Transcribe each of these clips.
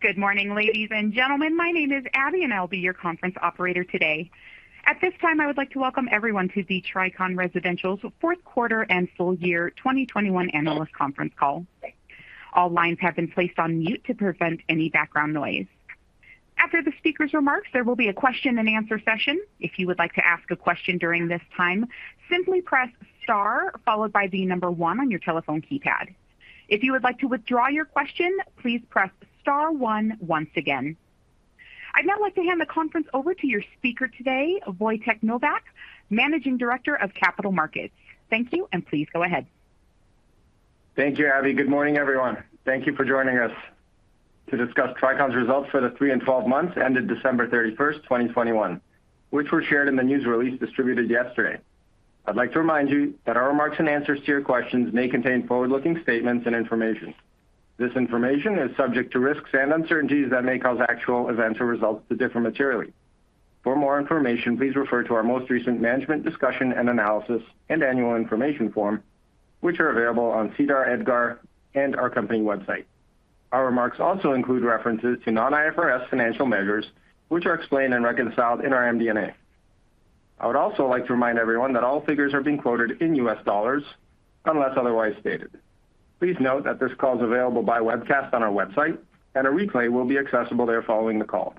Good morning, ladies and gentlemen. My name is Abby, and I'll be your conference operator today. At this time, I would like to welcome everyone to the Tricon Residential's fourth quarter and full year 2021 analyst conference call. All lines have been placed on mute to prevent any background noise. After the speaker's remarks, there will be a question-and-answer session. If you would like to ask a question during this time, simply press star followed by the number one on your telephone keypad. If you would like to withdraw your question, please press star one once again. I'd now like to hand the conference over to your speaker today, Wojtek Nowak, Managing Director of Capital Markets. Thank you, and please go ahead. Thank you, Abby. Good morning, everyone. Thank you for joining us to discuss Tricon's results for the three and 12 months ended December 31st, 2021, which were shared in the news release distributed yesterday. I'd like to remind you that our remarks and answers to your questions may contain forward-looking statements and information. This information is subject to risks and uncertainties that may cause actual events or results to differ materially. For more information, please refer to our most recent management discussion and analysis and annual information form, which are available on SEDAR, EDGAR, and our company website. Our remarks also include references to non-IFRS financial measures, which are explained and reconciled in our MD&A. I would also like to remind everyone that all figures are being quoted in U.S. dollars unless otherwise stated. Please note that this call is available by webcast on our website, and a replay will be accessible there following the call.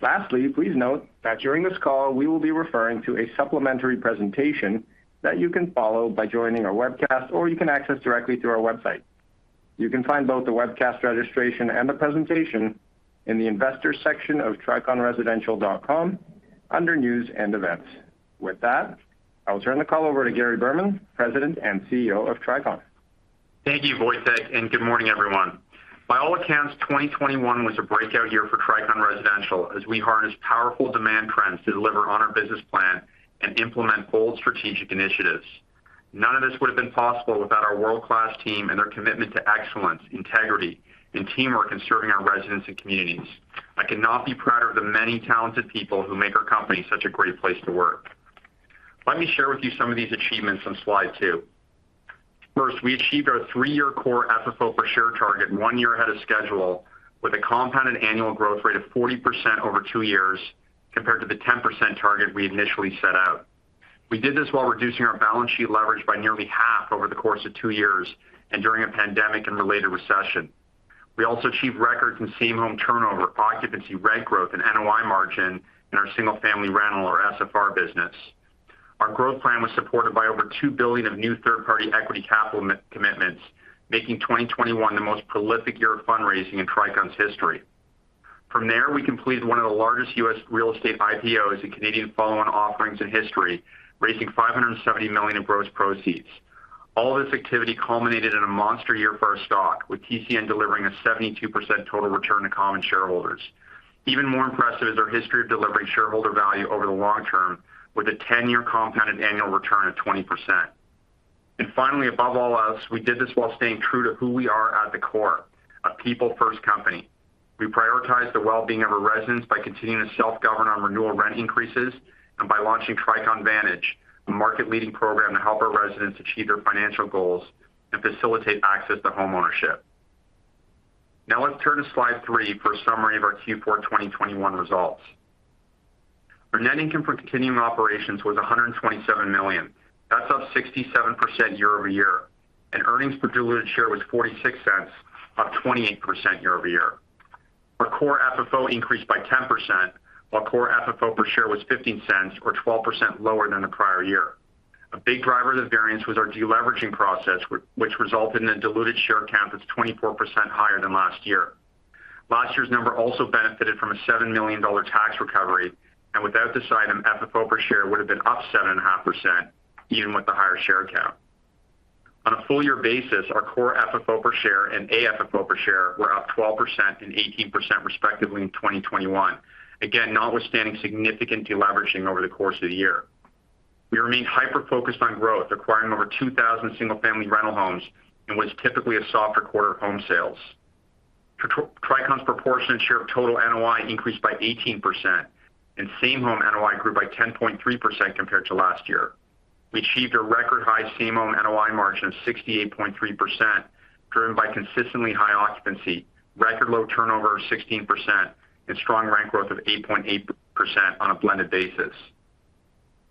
Lastly, please note that during this call, we will be referring to a supplementary presentation that you can follow by joining our webcast, or you can access directly through our website. You can find both the webcast registration and the presentation in the Investors section of triconresidential.com under News and Events. With that, I'll turn the call over to Gary Berman, President and CEO of Tricon. Thank you, Wojtek, and good morning, everyone. By all accounts, 2021 was a breakout year for Tricon Residential as we harnessed powerful demand trends to deliver on our business plan and implement bold strategic initiatives. None of this would have been possible without our world-class team and their commitment to excellence, integrity, and teamwork in serving our residents and communities. I cannot be prouder of the many talented people who make our company such a great place to work. Let me share with you some of these achievements on slide two. First, we achieved our three-year core FFO per share target one year ahead of schedule with a compounded annual growth rate of 40% over two years compared to the 10% target we initially set out. We did this while reducing our balance sheet leverage by nearly half over the course of two years and during a pandemic and related recession. We also achieved records in same home turnover, occupancy rent growth, and NOI margin in our single-family rental or SFR business. Our growth plan was supported by over $2 billion of new third-party equity capital commitments, making 2021 the most prolific year of fundraising in Tricon's history. From there, we completed one of the largest U.S. real estate IPOs and Canadian follow-on offerings in history, raising $570 million in gross proceeds. All this activity culminated in a monster year for our stock, with TCN delivering a 72% total return to common shareholders. Even more impressive is our history of delivering shareholder value over the long term with a 10-year compounded annual return of 20%. Finally, above all else, we did this while staying true to who we are at the core, a people-first company. We prioritize the well-being of our residents by continuing to self-govern on renewal rent increases and by launching Tricon Vantage, a market-leading program to help our residents achieve their financial goals and facilitate access to homeownership. Now let's turn to slide 3 for a summary of our Q4 2021 results. Our net income for continuing operations was $127 million. That's up 67% year-over-year, and earnings per diluted share was $0.46, up 28% year-over-year. Our core FFO increased by 10%, while core FFO per share was $0.15 or 12% lower than the prior year. A big driver of the variance was our deleveraging process which resulted in a diluted share count that's 24% higher than last year. Last year's number also benefited from a $7 million tax recovery, and without this item, FFO per share would have been up 7.5% even with the higher share count. On a full year basis, our core FFO per share and AFFO per share were up 12% and 18% respectively in 2021. Again, notwithstanding significant deleveraging over the course of the year. We remain hyper-focused on growth, acquiring over 2,000 single-family rental homes in what is typically a softer quarter of home sales. Tricon's proportionate share of total NOI increased by 18%, and same home NOI grew by 10.3% compared to last year. We achieved a record high same home NOI margin of 68.3%, driven by consistently high occupancy, record low turnover of 16%, and strong rent growth of 8.8% on a blended basis.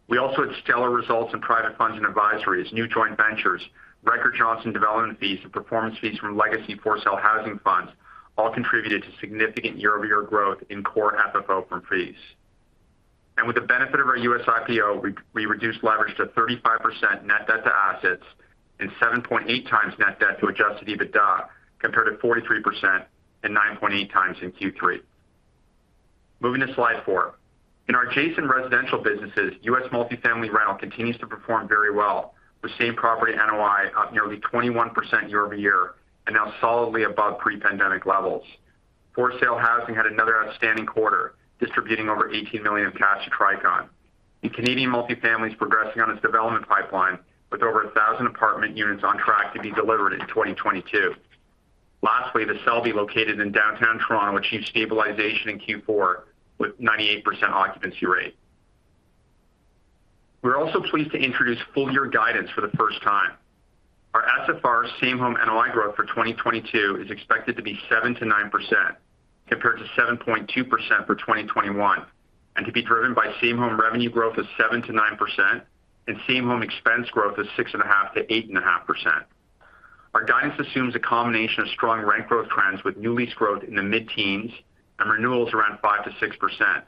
We also had stellar results in private funds and advisories, new joint ventures, record Johnson development fees, and performance fees from legacy for-sale housing funds all contributed to significant year-over-year growth in core FFO from fees. With the benefit of our U.S. IPO, we reduced leverage to 35% net debt to assets and 7.8x net debt to Adjusted EBITDA compared to 43% and 9.8x in Q3. Moving to slide 4. In our adjacent residential businesses, U.S. multifamily rental continues to perform very well, with same property NOI up nearly 21% year-over-year and now solidly above pre-pandemic levels. For-sale housing had another outstanding quarter, distributing over $18 million in cash to Tricon. Canadian multifamily is progressing on its development pipeline with over 1,000 apartment units on track to be delivered in 2022. Lastly, The Selby located in downtown Toronto achieved stabilization in Q4 with 98% occupancy rate. We're also pleased to introduce full year guidance for the first time. Our SFR same-home NOI growth for 2022 is expected to be 7%-9% compared to 7.2% for 2021, and to be driven by same-home revenue growth of 7%-9% and same-home expense growth of 6.5%-8.5%. Our guidance assumes a combination of strong rent growth trends with new lease growth in the mid-teens and renewals around 5%-6%.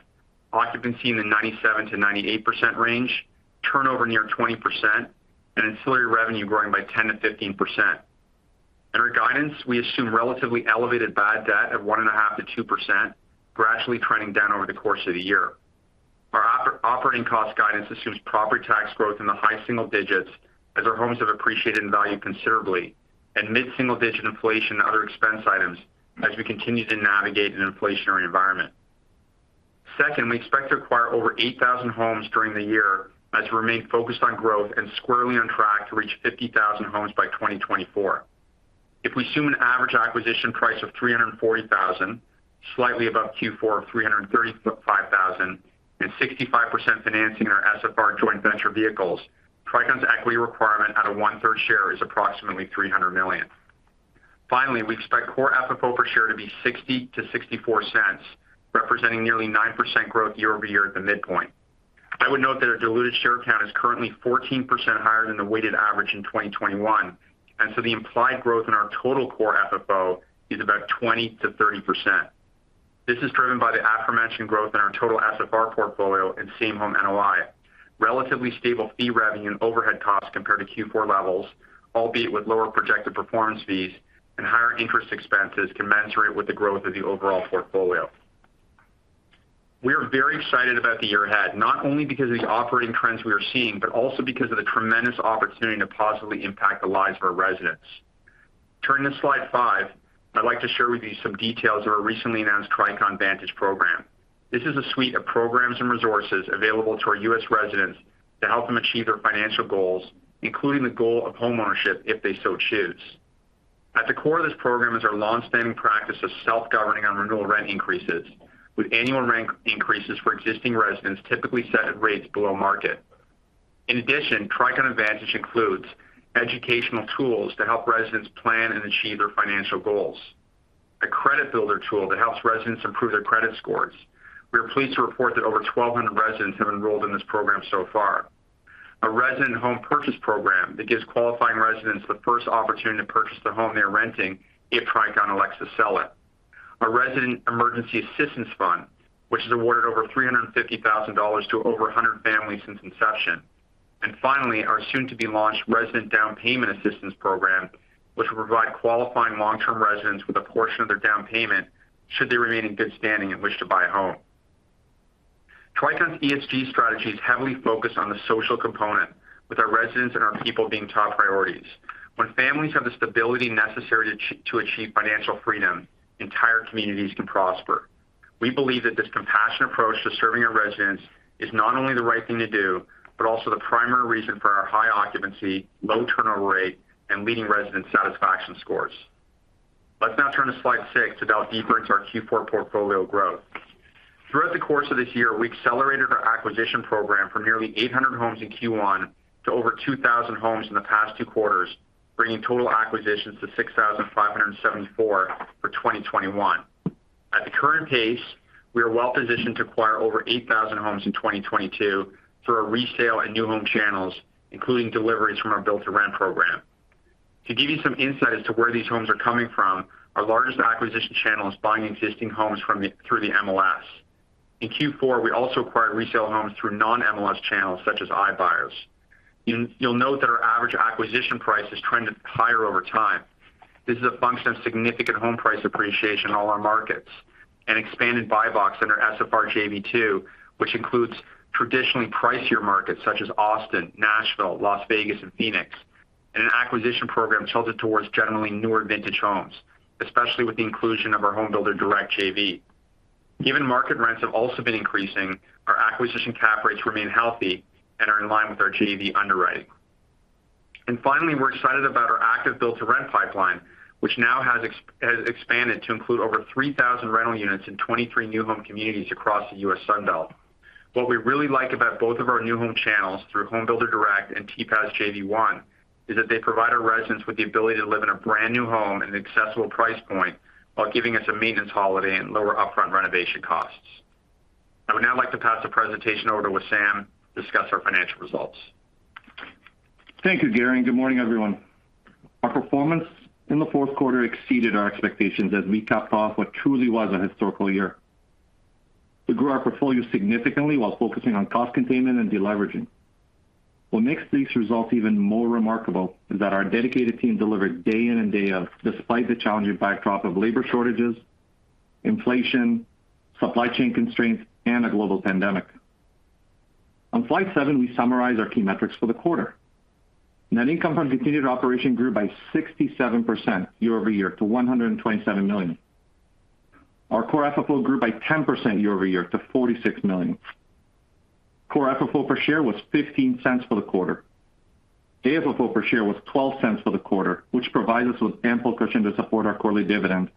Occupancy in the 97%-98% range, turnover near 20% and ancillary revenue growing by 10%-15%. In our guidance, we assume relatively elevated bad debt of 1.5%-2%, gradually trending down over the course of the year. Our operating cost guidance assumes property tax growth in the high single digits as our homes have appreciated in value considerably and mid-single digit inflation and other expense items as we continue to navigate an inflationary environment. Second, we expect to acquire over 8,000 homes during the year as we remain focused on growth and squarely on track to reach 50,000 homes by 2024. If we assume an average acquisition price of $340,000, slightly above Q4 of $335,000 and 65% financing in our SFR joint venture vehicles, Tricon's equity requirement at a 1/3 share is approximately $300 million. Finally, we expect core FFO per share to be $0.60-$0.64, representing nearly 9% growth year-over-year at the midpoint. I would note that our diluted share count is currently 14% higher than the weighted average in 2021, and so the implied growth in our total core FFO is about 20%-30%. This is driven by the aforementioned growth in our total SFR portfolio and same home NOI. Relatively stable fee revenue and overhead costs compared to Q4 levels, albeit with lower projected performance fees and higher interest expenses commensurate with the growth of the overall portfolio. We are very excited about the year ahead, not only because of these operating trends we are seeing, but also because of the tremendous opportunity to positively impact the lives of our residents. Turning to slide five, I'd like to share with you some details of our recently announced Tricon Vantage program. This is a suite of programs and resources available to our U.S. residents to help them achieve their financial goals, including the goal of homeownership if they so choose. At the core of this program is our longstanding practice of self-governing on renewal rent increases, with annual rent increases for existing residents typically set at rates below market. In addition, Tricon Vantage includes educational tools to help residents plan and achieve their financial goals, a credit builder tool that helps residents improve their credit scores. We are pleased to report that over 1,200 residents have enrolled in this program so far, a resident home purchase program that gives qualifying residents the first opportunity to purchase the home they're renting if Tricon elects to sell it, a resident emergency assistance fund, which has awarded over $350,000 to over 100 families since inception. Finally, our soon to be launched resident down payment assistance program, which will provide qualifying long-term residents with a portion of their down payment should they remain in good standing and wish to buy a home. Tricon's ESG strategy is heavily focused on the social component, with our residents and our people being top priorities. When families have the stability necessary to achieve financial freedom, entire communities can prosper. We believe that this compassionate approach to serving our residents is not only the right thing to do, but also the primary reason for our high occupancy, low turnover rate, and leading resident satisfaction scores. Let's now turn to slide 6 to delve deeper into our Q4 portfolio growth. Throughout the course of this year, we accelerated our acquisition program from nearly 800 homes in Q1 to over 2,000 homes in the past 2Q, bringing total acquisitions to 6,574 for 2021. At the current pace, we are well positioned to acquire over 8,000 homes in 2022 through our resale and new home channels, including deliveries from our build-to-rent program. To give you some insight as to where these homes are coming from, our largest acquisition channel is buying existing homes through the MLS. In Q4, we also acquired resale homes through non-MLS channels such as iBuyers. You'll note that our average acquisition price is trending higher over time. This is a function of significant home price appreciation in all our markets, an expanded buy box in our SFR JV-2, which includes traditionally pricier markets such as Austin, Nashville, Las Vegas and Phoenix, and an acquisition program tilted towards generally newer vintage homes, especially with the inclusion of our Home Builder Direct JV. Given market rents have also been increasing, our acquisition cap rates remain healthy and are in line with our JV underwriting. Finally, we're excited about our active build-to-rent pipeline, which now has expanded to include over 3,000 rental units in 23 new home communities across the U.S. Sun Belt. What we really like about both of our new home channels through Home Builder Direct JV and THPAS JV-1 is that they provide our residents with the ability to live in a brand new home at an accessible price point while giving us a maintenance holiday and lower upfront renovation costs. I would now like to pass the presentation over to Wissam to discuss our financial results. Thank you, Gary, and good morning, everyone. Our performance in the fourth quarter exceeded our expectations as we capped off what truly was a historical year. We grew our portfolio significantly while focusing on cost containment and deleveraging. What makes these results even more remarkable is that our dedicated team delivered day in and day out despite the challenging backdrop of labor shortages, inflation, supply chain constraints, and a global pandemic. On slide 7, we summarize our key metrics for the quarter. Net income from continuing operations grew by 67% year-over-year to $127 million. Our core FFO grew by 10% year-over-year to $46 million. Core FFO per share was $0.15 for the quarter. AFFO per share was $0.12 for the quarter, which provides us with ample cushion to support our quarterly dividend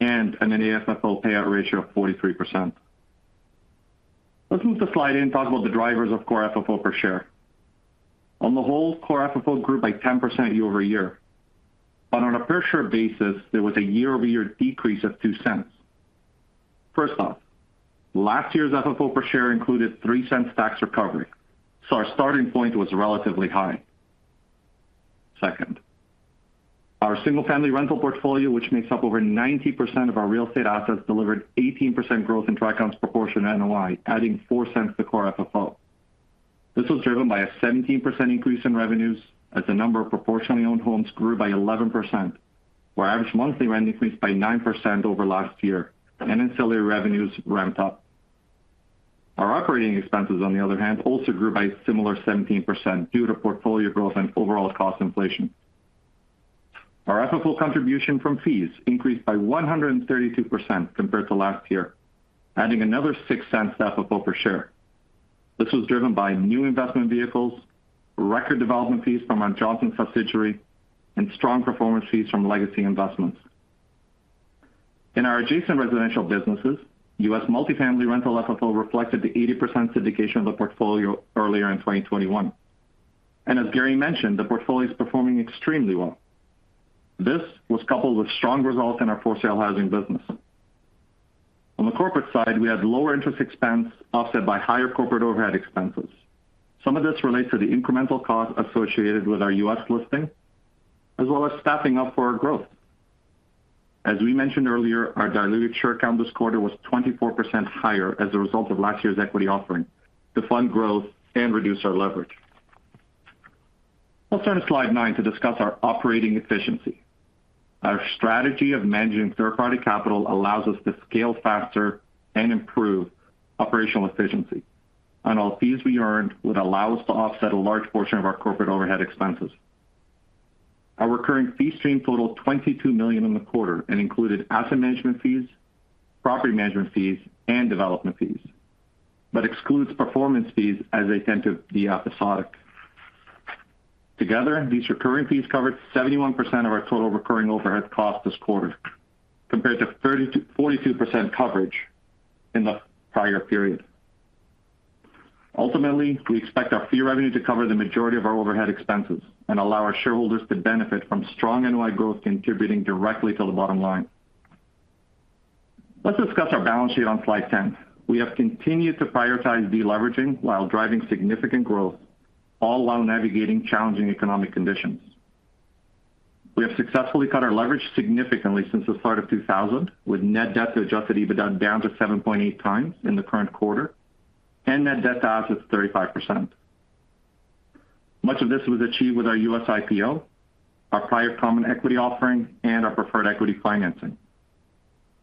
and an AFFO payout ratio of 43%. Let's move to slide 8 and talk about the drivers of core AFFO per share. On the whole, core AFFO grew by 10% year-over-year. On a per share basis, there was a year-over-year decrease of $0.02. First off, last year's AFFO per share included $0.03 tax recovery, so our starting point was relatively high. Second, our single-family rental portfolio, which makes up over 90% of our real estate assets, delivered 18% growth in Tricon's proportional NOI, adding $0.04 to core AFFO. This was driven by a 17% increase in revenues as the number of proportionally owned homes grew by 11%, where average monthly rent increased by 9% over last year, and ancillary revenues ramped up. Our operating expenses, on the other hand, also grew by a similar 17% due to portfolio growth and overall cost inflation. Our AFFO contribution from fees increased by 132% compared to last year, adding another $0.06 to AFFO per share. This was driven by new investment vehicles, record development fees from our Johnson subsidiary, and strong performance fees from legacy investments. In our adjacent residential businesses, U.S. multifamily rental AFFO reflected the 80% syndication of the portfolio earlier in 2021. As Gary mentioned, the portfolio is performing extremely well. This was coupled with strong results in our for-sale housing business. On the corporate side, we had lower interest expense offset by higher corporate overhead expenses. Some of this relates to the incremental cost associated with our U.S. listing, as well as staffing up for our growth. As we mentioned earlier, our diluted share count this quarter was 24% higher as a result of last year's equity offering to fund growth and reduce our leverage. Let's turn to slide 9 to discuss our operating efficiency. Our strategy of managing third-party capital allows us to scale faster and improve operational efficiency and all fees we earned would allow us to offset a large portion of our corporate overhead expenses. Our recurring fee stream totaled $22 million in the quarter and included asset management fees, property management fees, and development fees, but excludes performance fees as they tend to be episodic. Together, these recurring fees covered 71% of our total recurring overhead costs this quarter, compared to 42% coverage in the prior period. Ultimately, we expect our fee revenue to cover the majority of our overhead expenses and allow our shareholders to benefit from strong NOI growth contributing directly to the bottom line. Let's discuss our balance sheet on slide 10. We have continued to prioritize deleveraging while driving significant growth, all while navigating challenging economic conditions. We have successfully cut our leverage significantly since the start of 2000, with net debt to Adjusted EBITDA down to 7.8x in the current quarter, and net debt to assets 35%. Much of this was achieved with our U.S. IPO, our prior common equity offering, and our preferred equity financing.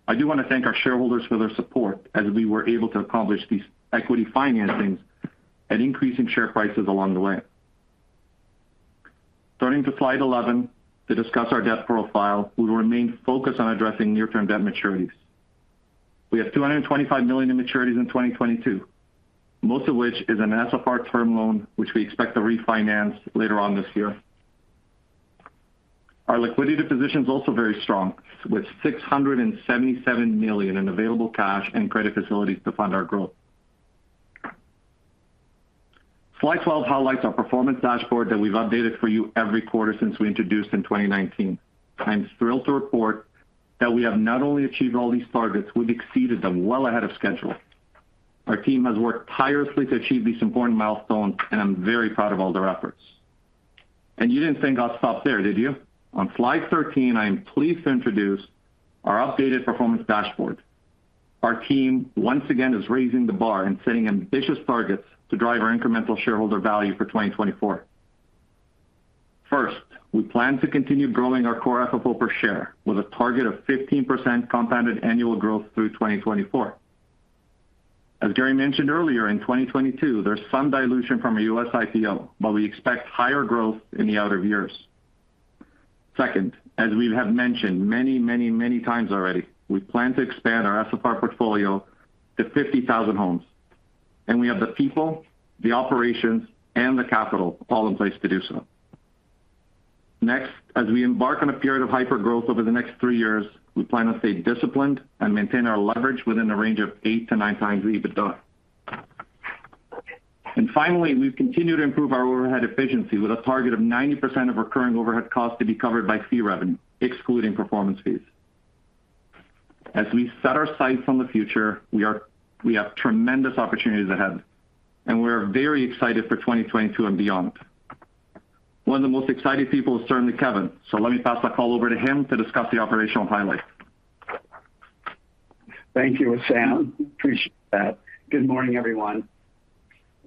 I do want to thank our shareholders for their support as we were able to accomplish these equity financings and increasing share prices along the way. Turning to slide 11 to discuss our debt profile, we remain focused on addressing near-term debt maturities. We have $225 million in maturities in 2022, most of which is an SFR term loan, which we expect to refinance later on this year. Our liquidity position is also very strong, with $677 million in available cash and credit facilities to fund our growth. Slide 12 highlights our performance dashboard that we've updated for you every quarter since we introduced in 2019. I'm thrilled to report that we have not only achieved all these targets, we've exceeded them well ahead of schedule. Our team has worked tirelessly to achieve these important milestones, and I'm very proud of all their efforts. You didn't think I'd stop there, did you? On slide 13, I am pleased to introduce our updated performance dashboard. Our team once again is raising the bar and setting ambitious targets to drive our incremental shareholder value for 2024. First, we plan to continue growing our core AFFO per share with a target of 15% compounded annual growth through 2024. As Gary mentioned earlier, in 2022, there's some dilution from a U.S. IPO, but we expect higher growth in the outer years. Second, as we have mentioned many times already, we plan to expand our SFR portfolio to 50,000 homes, and we have the people, the operations, and the capital all in place to do so. Next, as we embark on a period of hypergrowth over the next 3 years, we plan to stay disciplined and maintain our leverage within the range of eight to nine times the EBITDA. Finally, we've continued to improve our overhead efficiency with a target of 90% of recurring overhead costs to be covered by fee revenue, excluding performance fees. As we set our sights on the future, we have tremendous opportunities ahead, and we're very excited for 2022 and beyond. One of the most excited people is certainly Kevin, so let me pass the call over to him to discuss the operational highlights. Thank you, Wissam. Appreciate that. Good morning, everyone.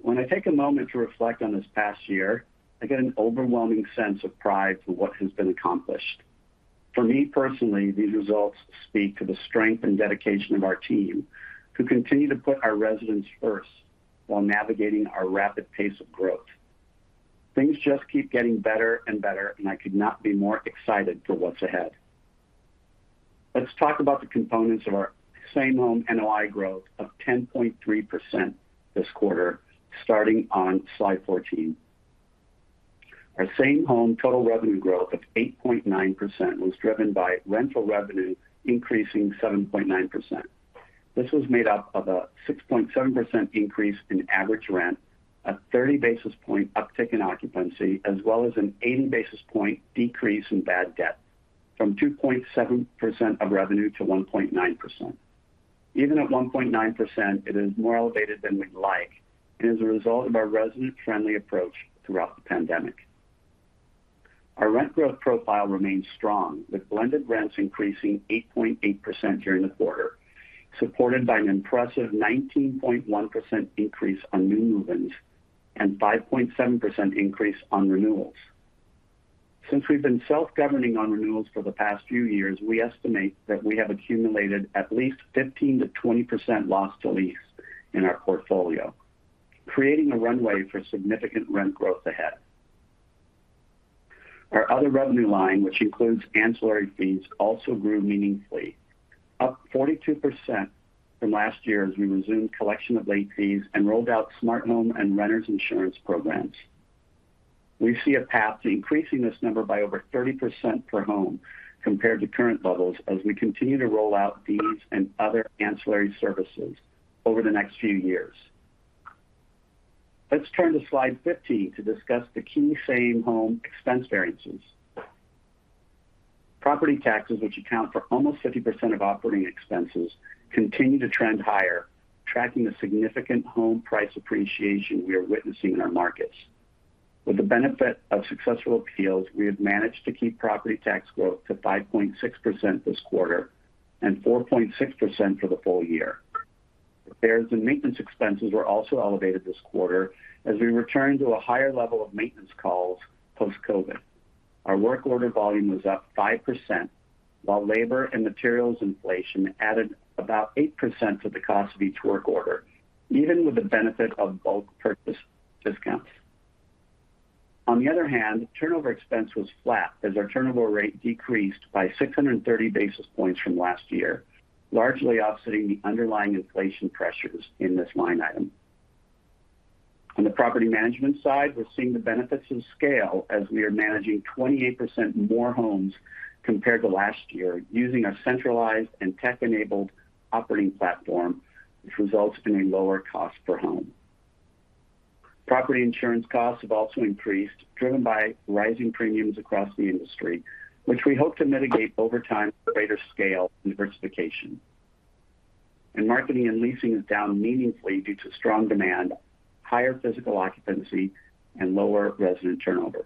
When I take a moment to reflect on this past year, I get an overwhelming sense of pride for what has been accomplished. For me personally, these results speak to the strength and dedication of our team who continue to put our residents first while navigating our rapid pace of growth. Things just keep getting better and better, and I could not be more excited for what's ahead. Let's talk about the components of our same-home NOI growth of 10.3% this quarter, starting on slide 14. Our same home total revenue growth of 8.9% was driven by rental revenue increasing 7.9%. This was made up of a 6.7% increase in average rent, a 30 basis point uptick in occupancy, as well as an 80 basis point decrease in bad debt from 2.7% of revenue to 1.9%. Even at 1.9%, it is more elevated than we'd like, and is a result of our resident-friendly approach throughout the pandemic. Our rent growth profile remains strong, with blended rents increasing 8.8% during the quarter, supported by an impressive 19.1% increase on new move-ins and 5.7% increase on renewals. Since we've been self-governing on renewals for the past few years, we estimate that we have accumulated at least 15%-20% loss to lease in our portfolio, creating a runway for significant rent growth ahead. Our other revenue line, which includes ancillary fees, also grew meaningfully, up 42% from last year as we resumed collection of late fees and rolled out smart home and renters insurance programs. We see a path to increasing this number by over 30% per home compared to current levels as we continue to roll out these and other ancillary services over the next few years. Let's turn to slide 15 to discuss the key same-home expense variances. Property taxes, which account for almost 50% of operating expenses, continue to trend higher, tracking the significant home price appreciation we are witnessing in our markets. With the benefit of successful appeals, we have managed to keep property tax growth to 5.6% this quarter and 4.6% for the full year. Repairs and maintenance expenses were also elevated this quarter as we return to a higher level of maintenance calls post-COVID. Our work order volume was up 5%, while labor and materials inflation added about 8% to the cost of each work order, even with the benefit of bulk purchase discounts. On the other hand, turnover expense was flat as our turnover rate decreased by 630 basis points from last year, largely offsetting the underlying inflation pressures in this line item. On the property management side, we're seeing the benefits in scale as we are managing 28% more homes compared to last year using our centralized and tech-enabled operating platform, which results in a lower cost per home. Property insurance costs have also increased, driven by rising premiums across the industry, which we hope to mitigate over time with greater scale and diversification. Marketing and leasing is down meaningfully due to strong demand, higher physical occupancy, and lower resident turnover.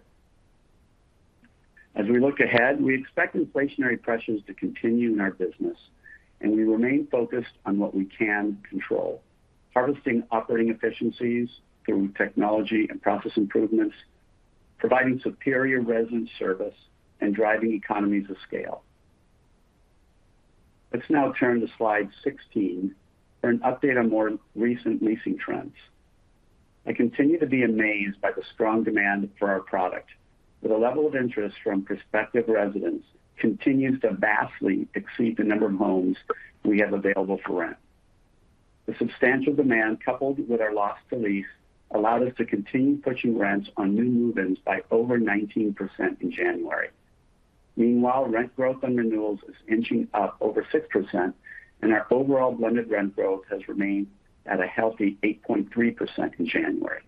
As we look ahead, we expect inflationary pressures to continue in our business, and we remain focused on what we can control, harvesting operating efficiencies through technology and process improvements, providing superior resident service, and driving economies of scale. Let's now turn to slide 16 for an update on more recent leasing trends. I continue to be amazed by the strong demand for our product, where the level of interest from prospective residents continues to vastly exceed the number of homes we have available for rent. The substantial demand, coupled with our loss to lease, allowed us to continue pushing rents on new move-ins by over 19% in January. Meanwhile, rent growth on renewals is inching up over 6%, and our overall blended rent growth has remained at a healthy 8.3% in January.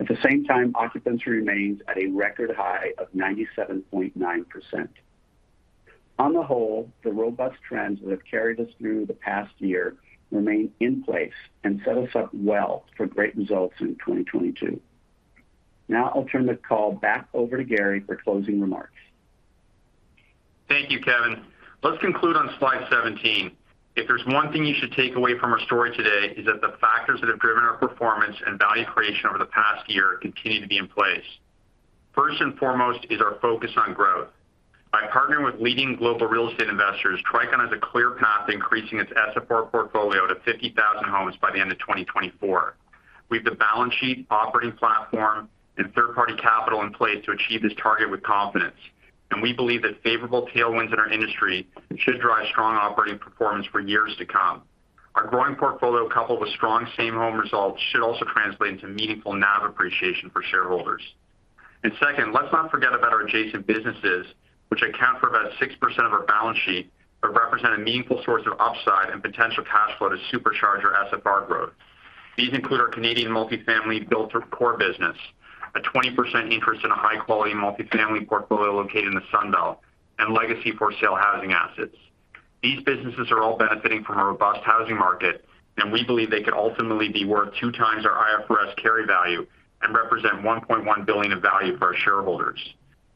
At the same time, occupancy remains at a record high of 97.9%. On the whole, the robust trends that have carried us through the past year remain in place and set us up well for great results in 2022. Now I'll turn the call back over to Gary for closing remarks. Thank you, Kevin. Let's conclude on slide 17. If there's one thing you should take away from our story today is that the factors that have driven our performance and value creation over the past year continue to be in place. First and foremost is our focus on growth. By partnering with leading global real estate investors, Tricon has a clear path to increasing its SFR portfolio to 50,000 homes by the end of 2024. We have the balance sheet operating platform and third-party capital in place to achieve this target with confidence, and we believe that favorable tailwinds in our industry should drive strong operating performance for years to come. Our growing portfolio, coupled with strong same home results, should also translate into meaningful NAV appreciation for shareholders. Second, let's not forget about our adjacent businesses, which account for about 6% of our balance sheet, but represent a meaningful source of upside and potential cash flow to supercharge our SFR growth. These include our Canadian multifamily built-for-core business, a 20% interest in a high-quality multifamily portfolio located in the Sun Belt, and legacy for-sale housing assets. These businesses are all benefiting from a robust housing market, and we believe they could ultimately be worth two times our IFRS carry value and represent $1.1 billion of value for our shareholders.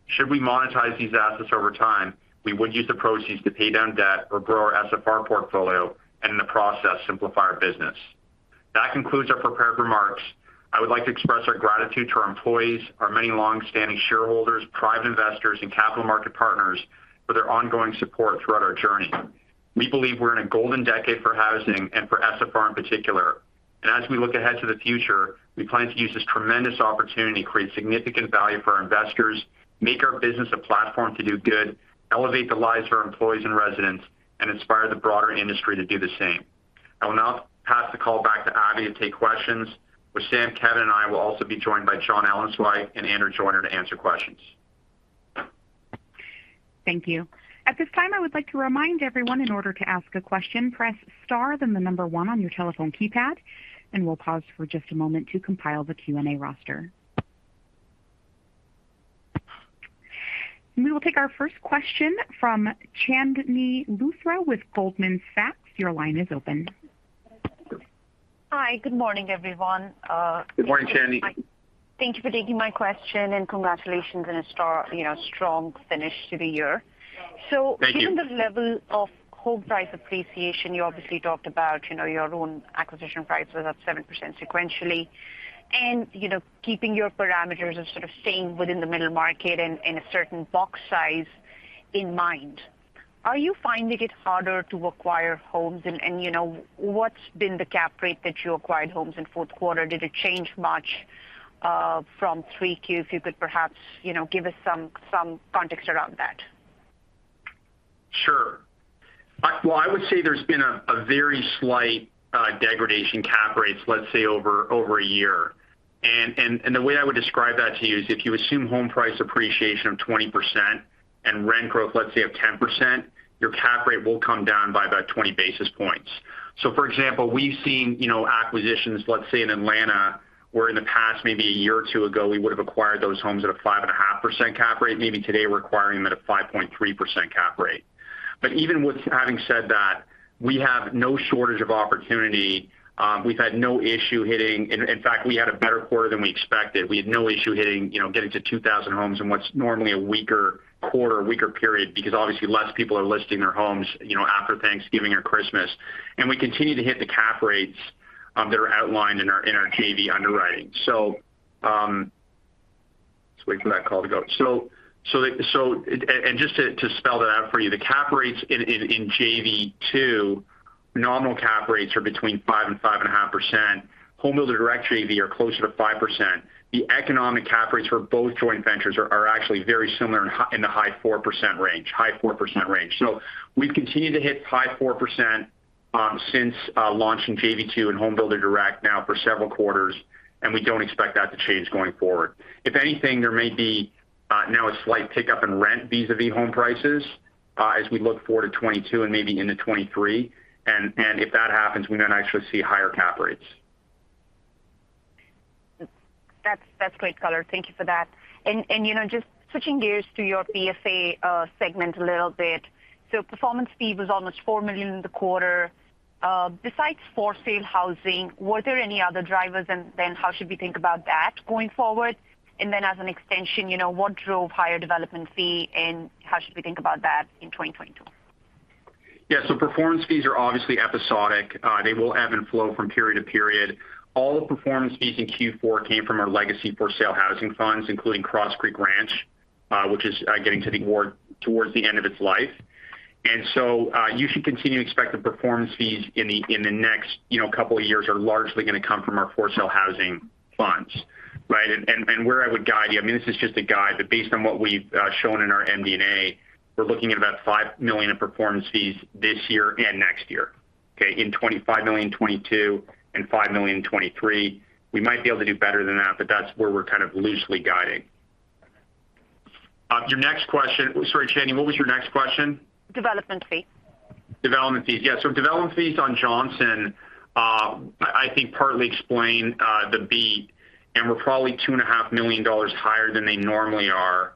Should we monetize these assets over time, we would use the proceeds to pay down debt or grow our SFR portfolio, and in the process, simplify our business. That concludes our prepared remarks. I would like to express our gratitude to our employees, our many long-standing shareholders, private investors and capital market partners for their ongoing support throughout our journey. We believe we're in a golden decade for housing and for SFR in particular. As we look ahead to the future, we plan to use this tremendous opportunity to create significant value for our investors, make our business a platform to do good, elevate the lives of our employees and residents, and inspire the broader industry to do the same. I will now pass the call back to Abby to take questions, which Wissam, Kevin, and I will also be joined by Jonathan Ellenzweig and Andrew Joyner to answer questions. Thank you. At this time, I would like to remind everyone, in order to ask a question, press star then the number one on your telephone keypad, and we'll pause for just a moment to compile the Q&A roster. We will take our first question from Chandni Luthra with Goldman Sachs. Your line is open. Hi. Good morning, everyone. Good morning, Chandni. Thank you for taking my question, and congratulations on a, you know, strong finish to the year. Thank you. Given the level of home price appreciation, you obviously talked about, you know, your own acquisition prices up 7% sequentially. You know, keeping your parameters as sort of staying within the middle market and a certain box size in mind, are you finding it harder to acquire homes? You know, what's been the cap rate that you acquired homes in fourth quarter? Did it change much from 3Q? If you could perhaps, you know, give us some context around that. Sure. Well, I would say there's been a very slight compression in cap rates, let's say, over a year. The way I would describe that to you is if you assume home price appreciation of 20% and rent growth, let's say, of 10%, your cap rate will come down by about 20 basis points. For example, we've seen, you know, acquisitions, let's say in Atlanta, where in the past maybe a year or two ago, we would have acquired those homes at a 5.5% cap rate. Maybe today we're acquiring them at a 5.3% cap rate. Even with having said that, we have no shortage of opportunity. We've had no issue hitting. In fact, we had a better quarter than we expected. We had no issue hitting, you know, getting to 2,000 homes in what's normally a weaker quarter, weaker period, because obviously less people are listing their homes, you know, after Thanksgiving or Christmas. We continue to hit the cap rates that are outlined in our JV underwriting. Just to spell that out for you, the cap rates in SFR JV-2, nominal cap rates are between 5% and 5.5%. Home Builder Direct JV are closer to 5%. The economic cap rates for both joint ventures are actually very similar in the high 4% range. We've continued to hit high 4% since launching SFR JV-2 and Home Builder Direct now for several quarters, and we don't expect that to change going forward. If anything, there may be now a slight tick up in rent vis-à-vis home prices as we look forward to 2022 and maybe into 2023. If that happens, we might actually see higher cap rates. That's great color. Thank you for that. You know, just switching gears to your PF&A segment a little bit. Performance fee was almost $4 million in the quarter. Besides for-sale housing, were there any other drivers? How should we think about that going forward? As an extension, you know, what drove higher development fee, and how should we think about that in 2022? Performance fees are obviously episodic. They will ebb and flow from period to period. All the performance fees in Q4 came from our legacy for-sale housing funds, including Cross Creek Ranch, which is getting towards the end of its life. You should continue to expect the performance fees in the next, you know, couple of years are largely gonna come from our for-sale housing funds, right? Where I would guide you, I mean, this is just a guide, but based on what we've shown in our MD&A, we're looking at about $5 million in performance fees this year and next year, okay? $5 million in 2022 and $5 million in 2023. We might be able to do better than that, but that's where we're kind of loosely guiding. Your next question. Sorry, Chandni, what was your next question? Development fees. Development fees. Yeah. Development fees on Johnson, I think partly explain the beat, and we're probably two and a half million dollars higher than they normally are.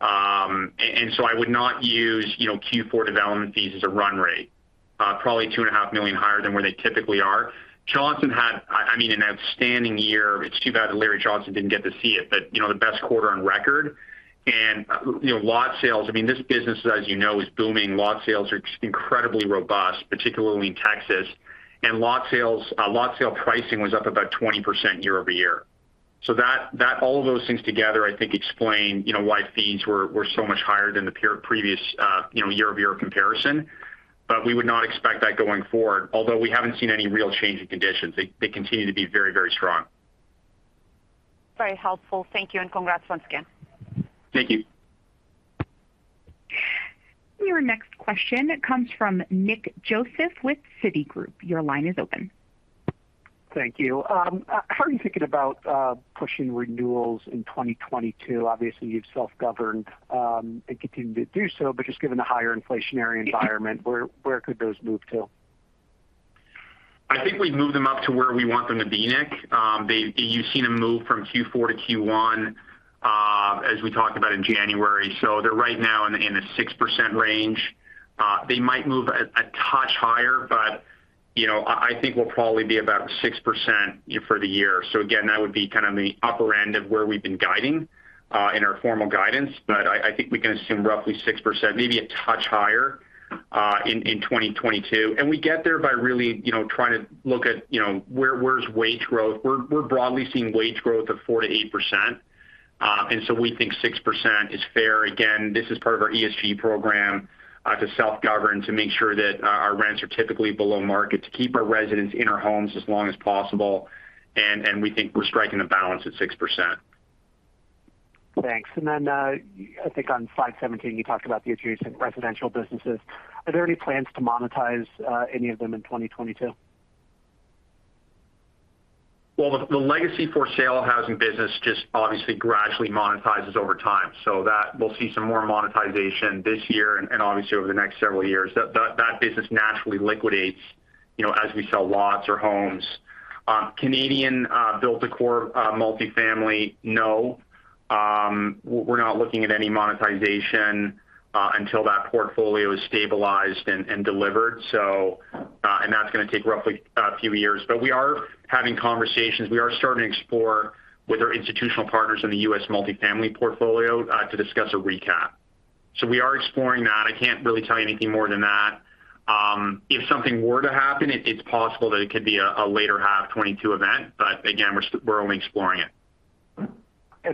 And so I would not use, you know, Q4 development fees as a run rate. Probably two and a half million higher than where they typically are. Johnson had, I mean, an outstanding year. It's too bad that Larry Johnson didn't get to see it, but, you know, the best quarter on record. You know, lot sales, I mean, this business, as you know, is booming. Lot sales are just incredibly robust, particularly in Texas. Lot sale pricing was up about 20% year-over-year. That all of those things together I think explain, you know, why fees were so much higher than the previous year-over-year comparison. We would not expect that going forward, although we haven't seen any real change in conditions. They continue to be very strong. Very helpful. Thank you, and congrats once again. Thank you. Your next question comes from Nick Joseph with Citigroup. Your line is open. Thank you. How are you thinking about pushing renewals in 2022? Obviously, you've self-governed and continue to do so, but just given the higher inflationary environment, where could those move to? I think we've moved them up to where we want them to be, Nick. You've seen them move from Q4 to Q1, as we talked about in January. They're right now in the 6% range. They might move a touch higher, but, you know, I think we'll probably be about 6% for the year. Again, that would be kind of the upper end of where we've been guiding in our formal guidance. I think we can assume roughly 6%, maybe a touch higher, in 2022. We get there by really trying to look at where's wage growth. We're broadly seeing wage growth of 4%-8%. We think 6% is fair. Again, this is part of our ESG program to self-govern, to make sure that our rents are typically below market, to keep our residents in our homes as long as possible. We think we're striking a balance at 6%. Thanks. I think on slide 17, you talked about the adjacent residential businesses. Are there any plans to monetize any of them in 2022? The legacy for sale housing business just obviously gradually monetizes over time. That we'll see some more monetization this year and obviously over the next several years. That business naturally liquidates, you know, as we sell lots or homes. Canadian built-for-core multifamily. No, we're not looking at any monetization until that portfolio is stabilized and delivered. That's gonna take roughly a few years. We are having conversations. We are starting to explore with our institutional partners in the U.S. multifamily portfolio to discuss a recap. We are exploring that. I can't really tell you anything more than that. If something were to happen, it's possible that it could be a latter half 2022 event, but again, we're only exploring it.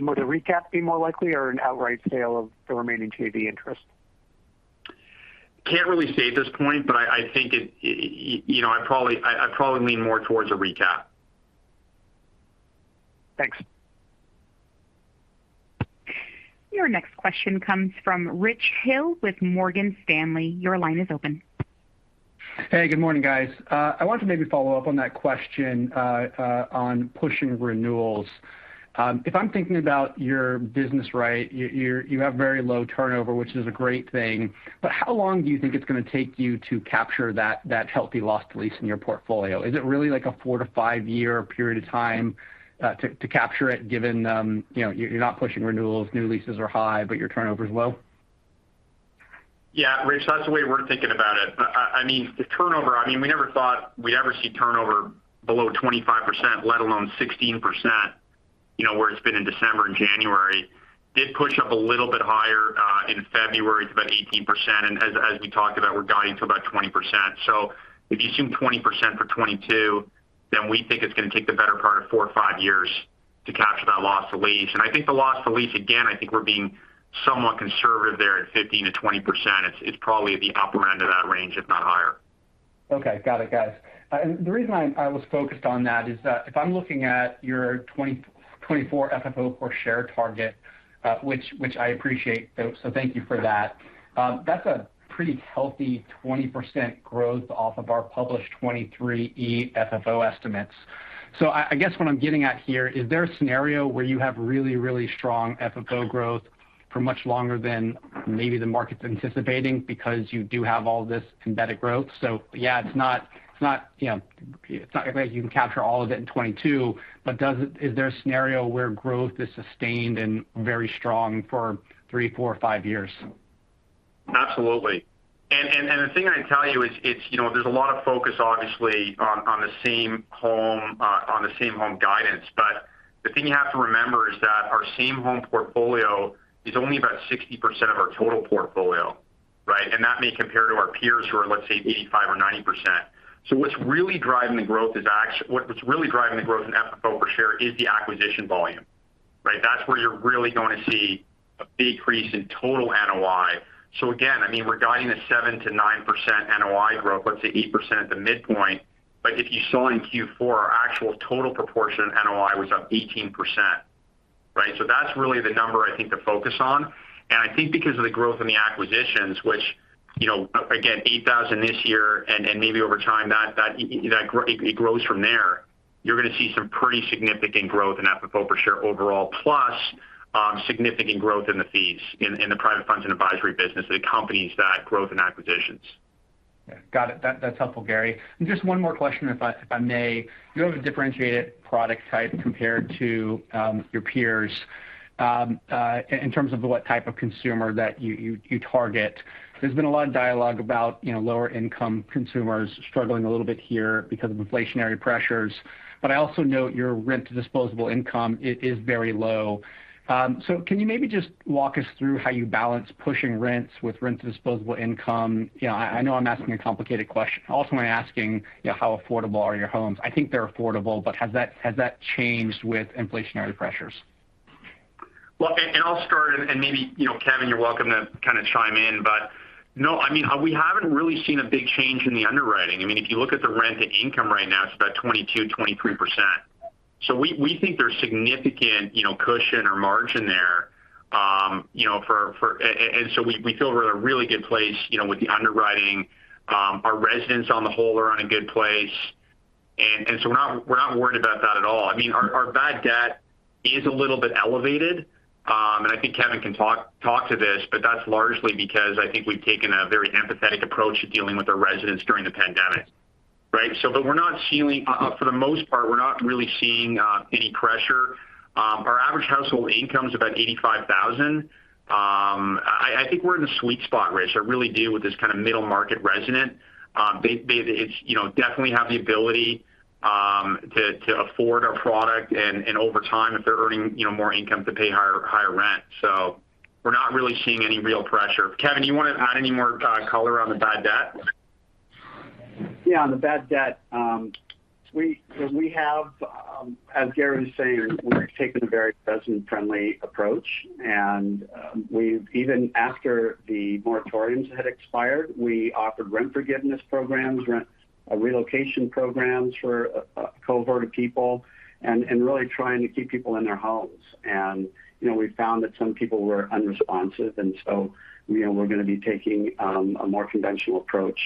Would a recap be more likely or an outright sale of the remaining JV interest? Can't really say at this point, but I think, you know, I'd probably lean more towards a recap. Thanks. Your next question comes from Rich Hill with Morgan Stanley. Your line is open. Hey, good morning, guys. I want to maybe follow up on that question on pushing renewals. If I'm thinking about your business right, you have very low turnover, which is a great thing, but how long do you think it's gonna take you to capture that healthy lost lease in your portfolio? Is it really like a four to five-year period of time to capture it given you know, you're not pushing renewals, new leases are high, but your turnover is low? Yeah, Rich, that's the way we're thinking about it. I mean, the turnover. I mean, we never thought we'd ever see turnover below 25%, let alone 16%, you know, where it's been in December and January. It did push up a little bit higher in February to about 18%. As we talked about, we're guiding to about 20%. If you assume 20% for 2022, then we think it's gonna take the better part of four or five years to capture that lost lease. I think the lost lease, again, I think we're being somewhat conservative there at 15%-20%. It's probably at the upper end of that range, if not higher. Okay. Got it, guys. The reason I was focused on that is that if I'm looking at your 2024 FFO per share target, which I appreciate, thank you for that. That's a pretty healthy 20% growth off of our published 2023 FFO estimates. I guess what I'm getting at here is there a scenario where you have really strong FFO growth for much longer than maybe the market's anticipating because you do have all this embedded growth? Yeah, it's not, you know, it's not like you can capture all of it in 2022, but is there a scenario where growth is sustained and very strong for three, four or five years? Absolutely. The thing I'd tell you is, it's, you know, there's a lot of focus obviously on the same home guidance. The thing you have to remember is that our same home portfolio is only about 60% of our total portfolio, right? That may compare to our peers who are, let's say, 85% or 90%. What's really driving the growth in FFO per share is the acquisition volume, right? That's where you're really going to see a big increase in total NOI. Again, I mean, we're guiding 7%-9% NOI growth, let's say 8% at the midpoint. If you saw in Q4, our actual total NOI was up 18%, right? That's really the number I think to focus on. I think because of the growth in the acquisitions, which, you know, 8,000 this year and maybe over time that it grows from there, you're gonna see some pretty significant growth in FFO per share overall, plus significant growth in the fees in the Private Funds and Advisory business that accompanies that growth in acquisitions. Yeah. Got it. That's helpful, Gary. Just one more question if I may. You have a differentiated product type compared to your peers in terms of what type of consumer that you target. There's been a lot of dialogue about, you know, lower income consumers struggling a little bit here because of inflationary pressures. But I also note your rent to disposable income is very low. So can you maybe just walk us through how you balance pushing rents with rent to disposable income? You know, I know I'm asking a complicated question. Also, am I asking, you know, how affordable are your homes? I think they're affordable, but has that changed with inflationary pressures? I'll start, maybe you know, Kevin, you're welcome to kind of chime in. But no, I mean, we haven't really seen a big change in the underwriting. I mean, if you look at the rent and income right now, it's about 22%-23%. So we think there's significant cushion or margin there. We feel we're in a really good place, you know, with the underwriting. Our residents on the whole are in a good place. We're not worried about that at all. I mean, our bad debt is a little bit elevated. I think Kevin can talk to this, but that's largely because I think we've taken a very empathetic approach to dealing with our residents during the pandemic, right? For the most part, we're not really seeing any pressure. Our average household income is about 85,000. I think we're in a sweet spot, Rich. I really do with this kind of middle market resident. They definitely have the ability to afford our product and over time if they're earning more income to pay higher rent. We're not really seeing any real pressure. Kevin, do you wanna add any more color on the bad debt? Yeah, on the bad debt, we have, as Gary was saying, we've taken a very resident-friendly approach, and we've even after the moratoriums had expired, we offered rent forgiveness programs, rent relocation programs for a cohort of people and really trying to keep people in their homes. You know, we found that some people were unresponsive, and so you know, we're gonna be taking a more conventional approach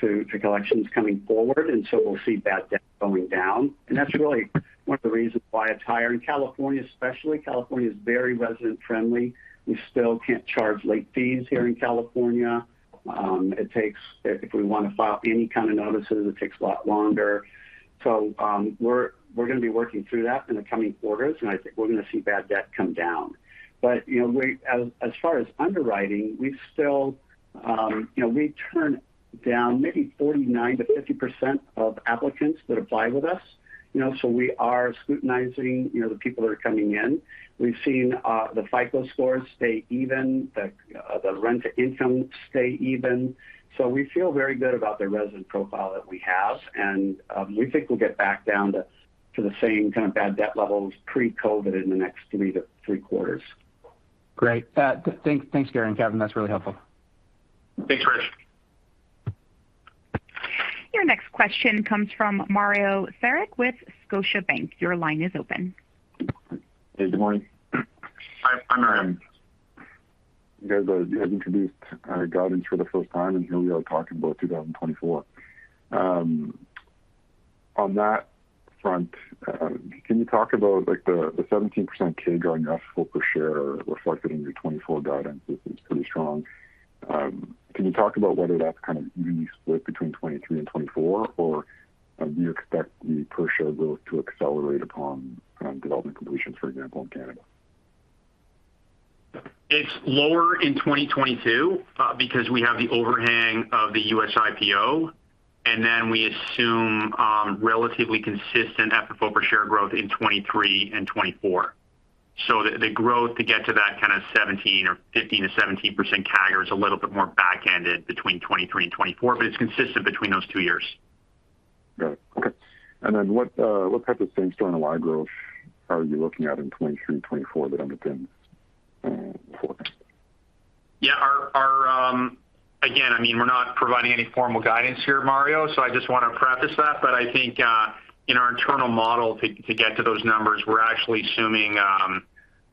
to collections coming forward, and so we'll see bad debt going down. That's really one of the reasons why it's higher in California, especially. California is very resident-friendly. We still can't charge late fees here in California. If we want to file any kind of notices, it takes a lot longer. We're gonna be working through that in the coming quarters, and I think we're gonna see bad debt come down. You know, we—as far as underwriting, we still, you know, we turn down maybe 49%-50% of applicants that apply with us, you know. We are scrutinizing, you know, the people that are coming in. We've seen the FICO scores stay even, the rent-to-income stay even. We feel very good about the resident profile that we have, and we think we'll get back down to the same kind of bad debt levels pre-COVID in the next 3-3Q. Great. Thanks, Gary and Kevin. That's really helpful. Thanks, Rich. Your next question comes from Mario Saric with Scotiabank. Your line is open. Hey, good morning. Hi, Mario. You guys have introduced guidance for the first time. Here we are talking about 2024. On that front, can you talk about, like, the 17% CAGR on your FFO per share reflected in your 2024 guidance, which is pretty strong. Can you talk about whether that's kind of evenly split between 2023 and 2024, or do you expect the per share growth to accelerate upon development completions, for example, in Canada? It's lower in 2022 because we have the overhang of the U.S. IPO, and then we assume relatively consistent FFO per share growth in 2023 and 2024. The growth to get to that kind of 15%-17% CAGR is a little bit more back-ended between 2023 and 2024, but it's consistent between those two years. Got it. Okay. What type of same-store NOI growth are you looking at in 2023 and 2024 that underpins 40%? Yeah. Again, I mean, we're not providing any formal guidance here, Mario, so I just wanna preface that. I think in our internal model to get to those numbers, we're actually assuming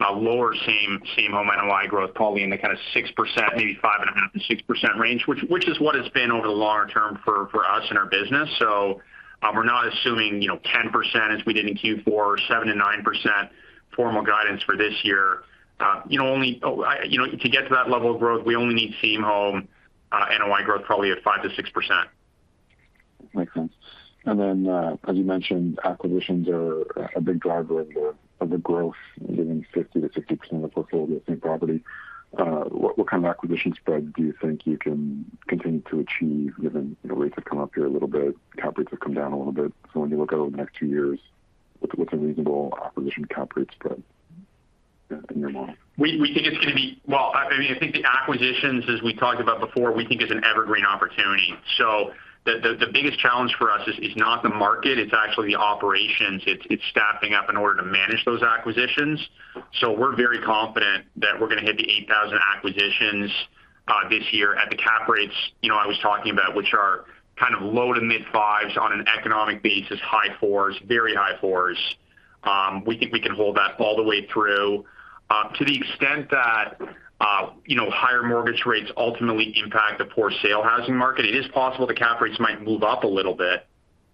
a lower same-home NOI growth, probably in the kind of 6%, maybe 5.5%-6% range, which is what it's been over the longer term for us in our business. We're not assuming, you know, 10% as we did in Q4, 7%-9% formal guidance for this year. You know, to get to that level of growth, we only need same-home NOI growth probably at 5%-6%. Makes sense. As you mentioned, acquisitions are a big driver of the growth, giving 50%-60% of the growth. What kind of acquisition spreads do you think you can continue to achieve given rates have come up here a little bit, cap rates have come down a little bit? When you look out over the next two years, what's a reasonable acquisition cap rate spread in your model? We think it's gonna be. Well, I mean, I think the acquisitions, as we talked about before, we think is an evergreen opportunity. The biggest challenge for us is not the market, it's actually the operations. It's staffing up in order to manage those acquisitions. We're very confident that we're gonna hit the 8,000 acquisitions this year at the cap rates you know I was talking about, which are kind of low- to mid-fives on an economic basis, high-fours, very high-fours. We think we can hold that all the way through. To the extent that you know higher mortgage rates ultimately impact the for-sale housing market, it is possible the cap rates might move up a little bit,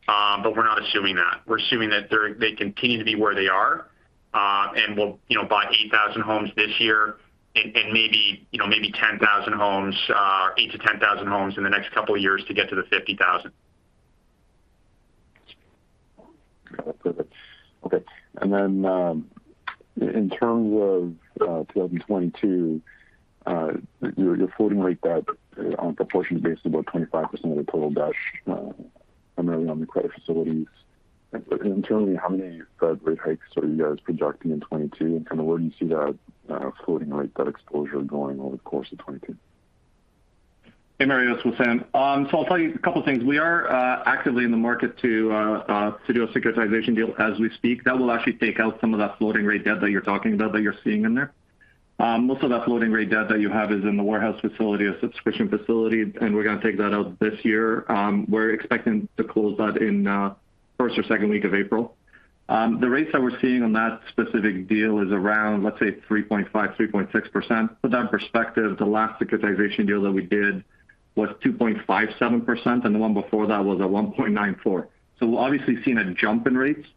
but we're not assuming that. We're assuming that they continue to be where they are, and we'll, you know, buy 8,000 homes this year and maybe, you know, 10,000 homes, 8,000-10,000 homes in the next couple of years to get to the 50,000. Perfect. Okay. Then, in terms of 2022, your floating rate debt on a pro forma basis about 25% of the total debt, primarily on the credit facilities. Internally, how many Fed rate hikes are you guys projecting in 2022, and kind of where do you see that floating rate debt exposure going over the course of 2022? Hey, Mario Saric, this is Wissam Francis. I'll tell you a couple things. We are actively in the market to do a securitization deal as we speak. That will actually take out some of that floating rate debt that you're talking about, that you're seeing in there. Most of that floating rate debt that you have is in the warehouse facility or subscription facility, and we're gonna take that out this year. We're expecting to close that in first or second week of April. The rates that we're seeing on that specific deal is around, let's say, 3.5%-3.6%. To put that in perspective, the last securitization deal that we did was 2.57%, and the one before that was at 1.94. We're obviously seeing a jump in rates.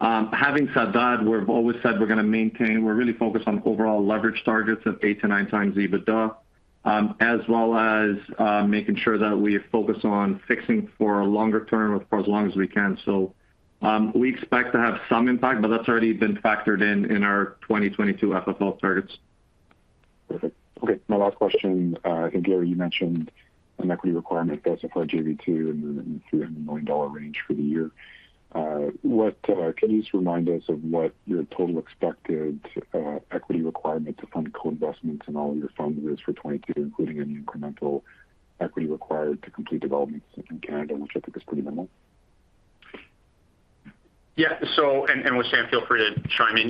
Having said that, we've always said we're really focused on overall leverage targets of eight to nine times EBITDA, as well as making sure that we focus on fixing for a longer term for as long as we can. We expect to have some impact, but that's already been factored in our 2022 FFO targets. Perfect. Okay. My last question. I think, Gary, you mentioned an equity requirement basis for JV-2 in the $300 million range for the year. What can you just remind us of what your total expected equity requirement to fund co-investments in all your funds is for 2022, including any incremental equity required to complete developments in Canada, which I think is pretty minimal? With Wissam, feel free to chime in.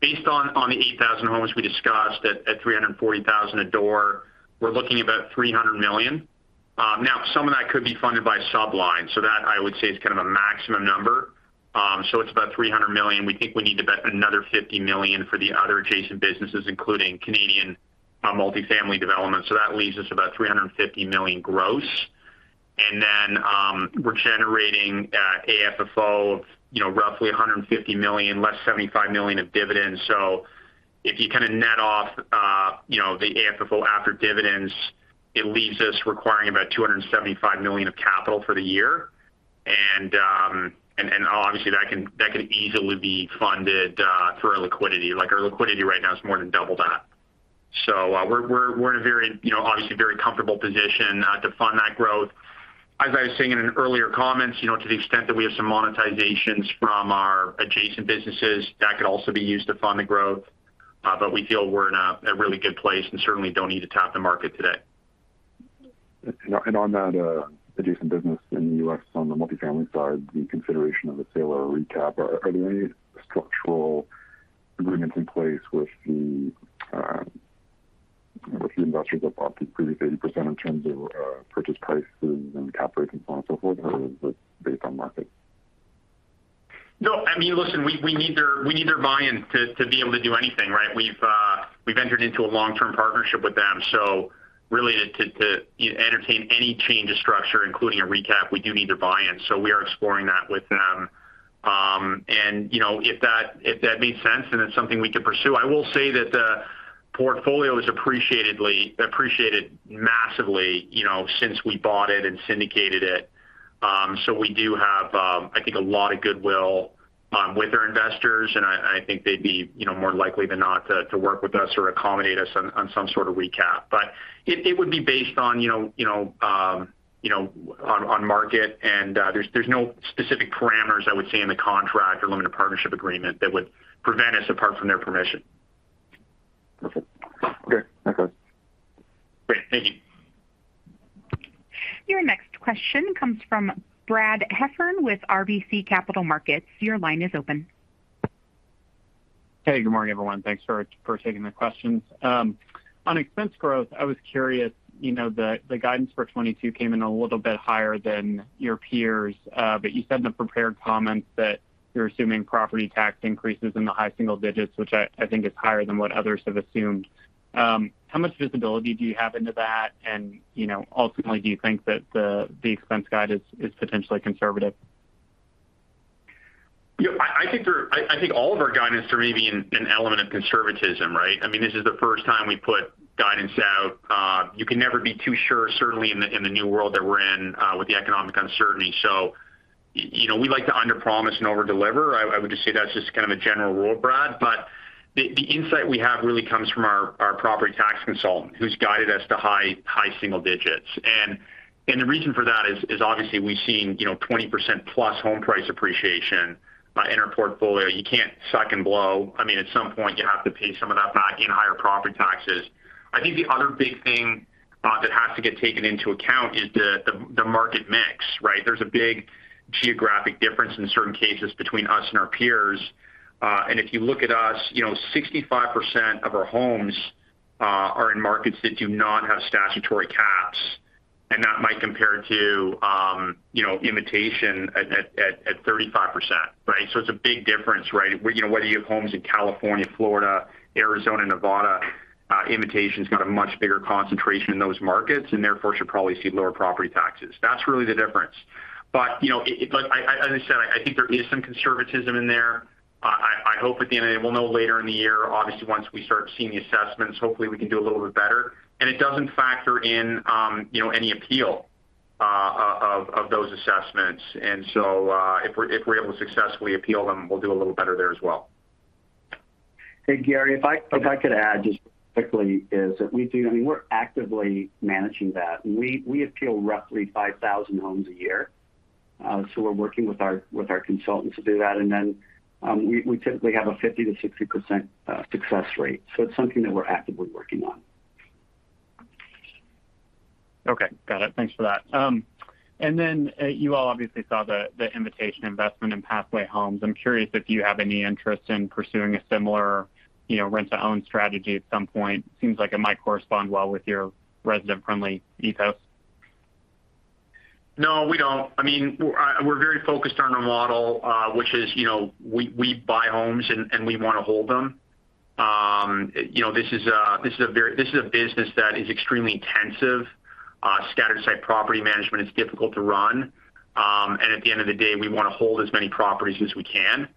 Based on the 8,000 homes we discussed at $340,000 per door, we're looking at about $300 million. Now some of that could be funded by subline. That I would say is kind of a maximum number. It's about $300 million. We think we need about another $50 million for the other adjacent businesses, including Canadian multifamily development. That leaves us about $350 million gross. We're generating AFFO of, you know, roughly $150 million, less $75 million of dividends. If you kind of net off the AFFO after dividends, it leaves us requiring about $275 million of capital for the year. Obviously that can easily be funded through our liquidity. Like, our liquidity right now is more than double that. We're in a very, you know, obviously very comfortable position to fund that growth. As I was saying in an earlier comments, you know, to the extent that we have some monetizations from our adjacent businesses, that could also be used to fund the growth. We feel we're in a really good place and certainly don't need to tap the market today. On that adjacent business in the U.S. on the multifamily side, the consideration of a sale or a recap, are there any structural agreements in place with the investors of up to pretty 30% in terms of purchase prices and cap rates and so on and so forth, or is this based on market? No, I mean, listen, we need their buy-in to be able to do anything, right? We've entered into a long-term partnership with them, so really to entertain any change of structure, including a recap, we do need their buy-in. We are exploring that with them. You know, if that makes sense, then it's something we can pursue. I will say that the portfolio has appreciated massively, you know, since we bought it and syndicated it. We do have, I think a lot of goodwill with our investors, and I think they'd be, you know, more likely than not to work with us or accommodate us on some sort of recap. It would be based on, you know, on market. There's no specific parameters I would say in the contract or limited partnership agreement that would prevent us apart from their permission. Perfect. Okay. That's all. Great. Thank you. Your next question comes from Brad Heffern with RBC Capital Markets. Your line is open. Hey, good morning, everyone. Thanks for taking the questions. On expense growth, I was curious, you know, the guidance for 2022 came in a little bit higher than your peers. But you said in the prepared comments that you're assuming property tax increases in the high single digits, which I think is higher than what others have assumed. How much visibility do you have into that? And, you know, ultimately, do you think that the expense guide is potentially conservative? Yeah. I think all of our guidance, there may be an element of conservatism, right? I mean, this is the first time we put guidance out. You can never be too sure, certainly in the new world that we're in, with the economic uncertainty. You know, we like to underpromise and overdeliver. I would just say that's just kind of a general rule, Brad. But the insight we have really comes from our property tax consultant, who's guided us to high single digits. And the reason for that is obviously we've seen, you know, 20%+ home price appreciation in our portfolio. You can't suck and blow. I mean, at some point, you have to pay some of that back in higher property taxes. I think the other big thing that has to get taken into account is the market mix, right? There's a big geographic difference in certain cases between us and our peers. If you look at us, you know, 65% of our homes are in markets that do not have statutory caps, and that might compare to, you know, Invitation at 35%, right? It's a big difference, right? You know, whether you have homes in California, Florida, Arizona, Nevada, Invitation's got a much bigger concentration in those markets and therefore should probably see lower property taxes. That's really the difference. You know, it like I understand, I think there is some conservatism in there. I hope at the end of the day, we'll know later in the year. Obviously, once we start seeing the assessments, hopefully we can do a little bit better. It doesn't factor in, you know, any appeal, of those assessments. If we're able to successfully appeal them, we'll do a little better there as well. Hey, Gary, if I could add just quickly, I mean, we're actively managing that. We appeal roughly 5,000 homes a year. We're working with our consultants to do that. Then, we typically have a 50%-60% success rate. It's something that we're actively working on. Okay. Got it. Thanks for that. You all obviously saw the Invitation Homes investment in Pathway Homes. I'm curious if you have any interest in pursuing a similar, you know, rent-to-own strategy at some point. Seems like it might correspond well with your resident-friendly ethos. No, we don't. I mean, we're very focused on our model, which is, you know, we buy homes and we wanna hold them. You know, this is a business that is extremely intensive. Scattered site property management is difficult to run. At the end of the day, we wanna hold as many properties as we can.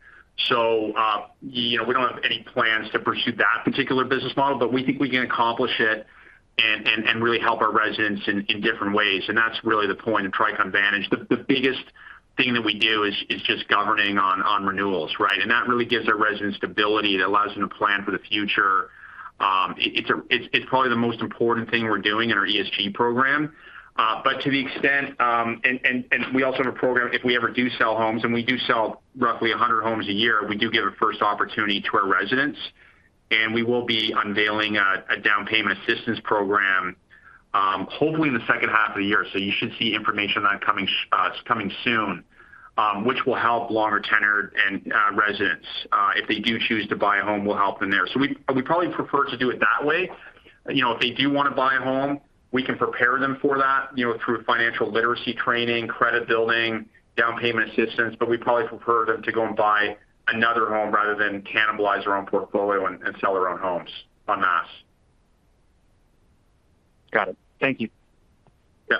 We don't have any plans to pursue that particular business model, but we think we can accomplish it and really help our residents in different ways, and that's really the point of Tricon Vantage. The biggest thing that we do is just governing on renewals, right? That really gives our residents stability. It allows them to plan for the future. It's probably the most important thing we're doing in our ESG program. But to the extent we also have a program if we ever do sell homes, and we do sell roughly 100 homes a year, we do give a first opportunity to our residents. We will be unveiling a down payment assistance program, hopefully in the second half of the year. You should see information on coming soon, which will help longer tenured residents. If they do choose to buy a home, we'll help them there. We probably prefer to do it that way. You know, if they do wanna buy a home, we can prepare them for that, you know, through financial literacy training, credit building, down payment assistance. We probably prefer them to go and buy another home rather than cannibalize their own portfolio and sell their own homes en masse. Got it. Thank you. Yeah.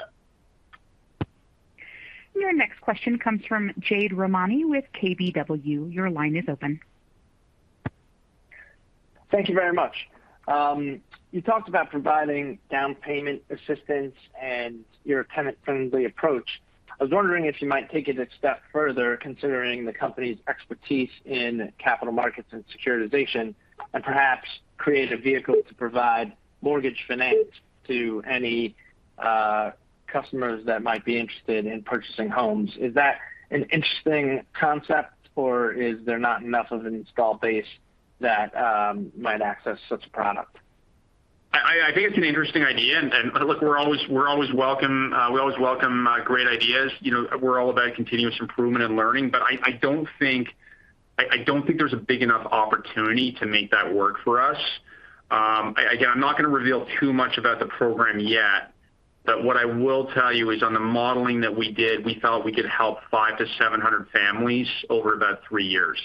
Your next question comes from Jade Rahmani with KBW. Your line is open. Thank you very much. You talked about providing down payment assistance and your tenant-friendly approach. I was wondering if you might take it a step further, considering the company's expertise in capital markets and securitization, and perhaps create a vehicle to provide mortgage finance to any customers that might be interested in purchasing homes. Is that an interesting concept, or is there not enough of an installed base that might access such a product? I think it's an interesting idea and look, we always welcome great ideas. You know, we're all about continuous improvement and learning. I don't think there's a big enough opportunity to make that work for us. Again, I'm not gonna reveal too much about the program yet, but what I will tell you is on the modeling that we did, we felt we could help 500-700 families over about three years.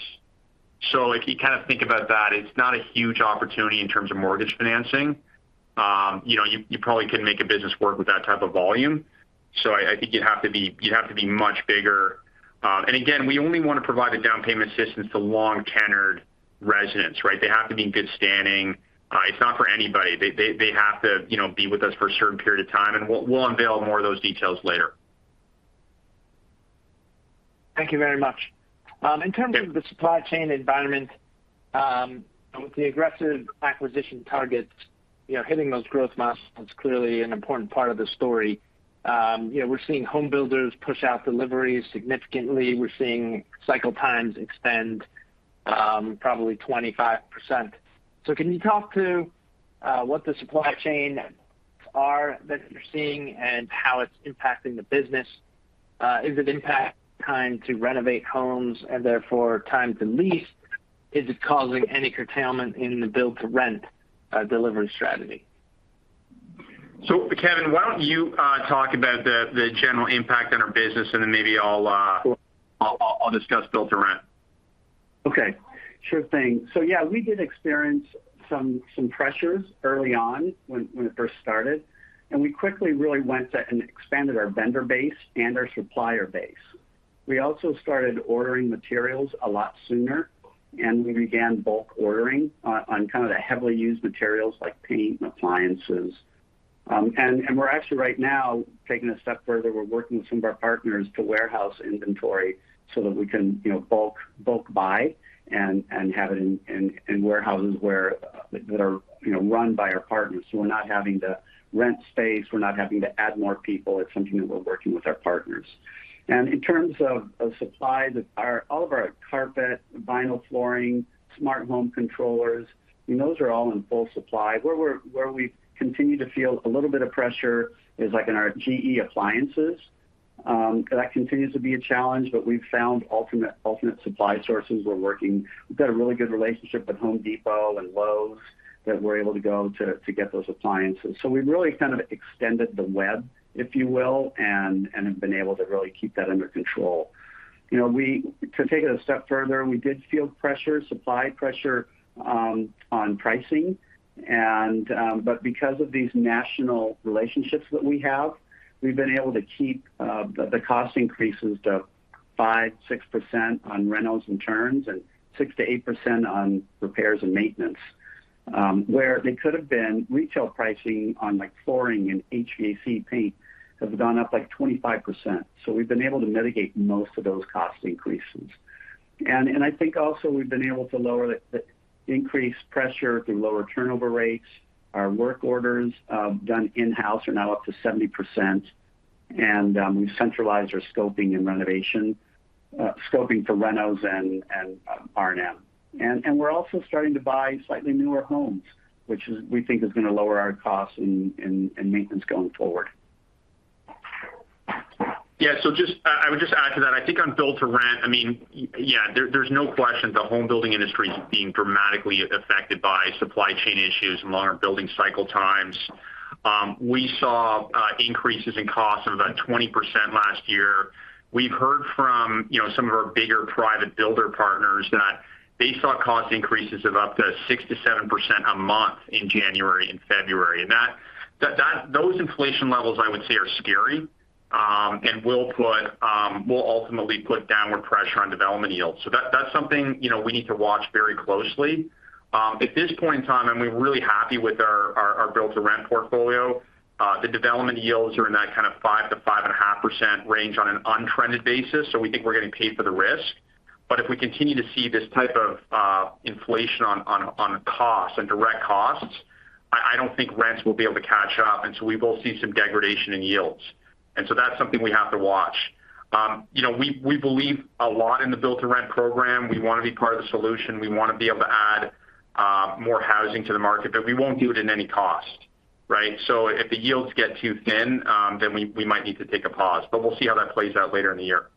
If you kind of think about that, it's not a huge opportunity in terms of mortgage financing. You know, you probably couldn't make a business work with that type of volume. I think you'd have to be much bigger. Again, we only wanna provide the down payment assistance to long tenured residents, right? They have to be in good standing. It's not for anybody. They have to, you know, be with us for a certain period of time, and we'll unveil more of those details later. Thank you very much. In terms of- Yeah.... the supply chain environment, with the aggressive acquisition targets, you know, hitting those growth milestones, clearly an important part of the story. You know, we're seeing home builders push out deliveries significantly. We're seeing cycle times extend, probably 25%. So can you talk to what the supply chain are that you're seeing and how it's impacting the business? Is it impacting time to renovate homes and therefore time to lease? Is it causing any curtailment in the build-to-rent delivery strategy? Kevin, why don't you talk about the general impact on our business, and then maybe I'll Sure. I'll discuss build-to-rent. Okay. Sure thing. Yeah, we did experience some pressures early on when it first started, and we quickly really went and expanded our vendor base and our supplier base. We also started ordering materials a lot sooner, and we began bulk ordering on kind of the heavily used materials like paint and appliances. We're actually right now taking a step further. We're working with some of our partners to warehouse inventory so that we can, you know, bulk buy and have it in warehouses where that are, you know, run by our partners. We're not having to rent space, we're not having to add more people. It's something that we're working with our partners. In terms of supply, all of our carpet, vinyl flooring, smart home controllers, you know, those are all in full supply. Where we continue to feel a little bit of pressure is like in our GE Appliances. That continues to be a challenge, but we've found alternate supply sources. We're working. We've got a really good relationship with The Home Depot and Lowe's that we're able to go to to get those appliances. We've really kind of extended the web, if you will, and have been able to really keep that under control. You know, to take it a step further, we did feel pressure, supply pressure, on pricing and, but because of these national relationships that we have, we've been able to keep the cost increases to 5%-6% on renos and turns, and 6%-8% on repairs and maintenance, where they could have been retail pricing on like flooring and HVAC, paint, have gone up like 25%. We've been able to mitigate most of those cost increases. I think also we've been able to lower the increased pressure through lower turnover rates. Our work orders done in-house are now up to 70%. We've centralized our scoping and renovation scoping for renos and R&M. We're also starting to buy slightly newer homes, which we think is gonna lower our costs in maintenance going forward. Yeah. I would just add to that, I think on build-to-rent, I mean, yeah, there's no question the home building industry is being dramatically affected by supply chain issues and longer building cycle times. We saw increases in costs of about 20% last year. We've heard from, you know, some of our bigger private builder partners that they saw cost increases of up to 6%-7% a month in January and February. Those inflation levels, I would say, are scary, and will ultimately put downward pressure on development yields. That's something, you know, we need to watch very closely. At this point in time, we're really happy with our build-to-rent portfolio. The development yields are in that kind of 5%-5.5% range on an untrended basis, so we think we're getting paid for the risk. But if we continue to see this type of inflation on costs and direct costs, I don't think rents will be able to catch up, and so we will see some degradation in yields. That's something we have to watch. You know, we believe a lot in the build-to-rent program. We wanna be part of the solution. We wanna be able to add more housing to the market, but we won't do it at any cost, right? If the yields get too thin, then we might need to take a pause, but we'll see how that plays out later in the year.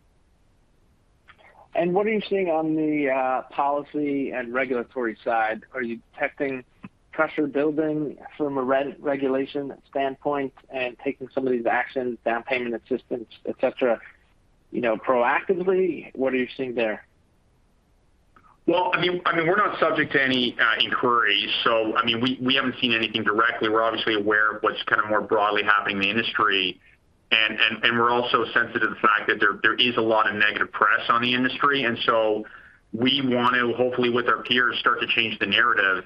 What are you seeing on the policy and regulatory side? Are you detecting pressure building from a re-regulation standpoint and taking some of these actions, down payment assistance, et cetera, you know, proactively? What are you seeing there? Well, I mean, we're not subject to any inquiries. So I mean, we haven't seen anything directly. We're obviously aware of what's kind of more broadly happening in the industry. We're also sensitive to the fact that there is a lot of negative press on the industry. We want to, hopefully with our peers, start to change the narrative,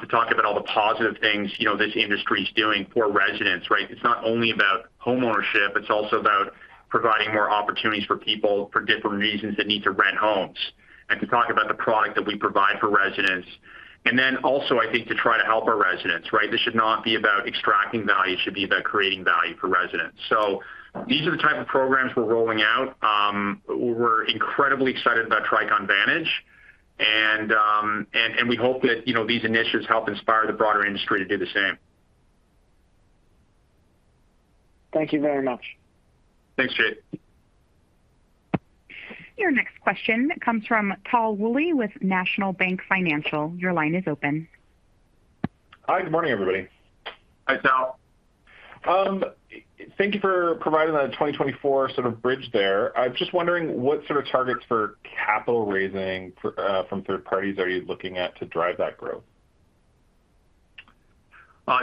to talk about all the positive things, you know, this industry is doing for residents, right? It's not only about homeownership, it's also about providing more opportunities for people for different reasons that need to rent homes, and to talk about the product that we provide for residents. Then also I think to try to help our residents, right? This should not be about extracting value. It should be about creating value for residents. These are the type of programs we're rolling out. We're incredibly excited about Tricon Vantage. We hope that, you know, these initiatives help inspire the broader industry to do the same. Thank you very much. Thanks, Jay. Your next question comes from Tal Woolley with National Bank Financial. Your line is open. Hi, good morning, everybody. Hi, Tal. Thank you for providing that 2024 sort of bridge there. I was just wondering what sort of targets for capital raising for from third parties are you looking at to drive that growth?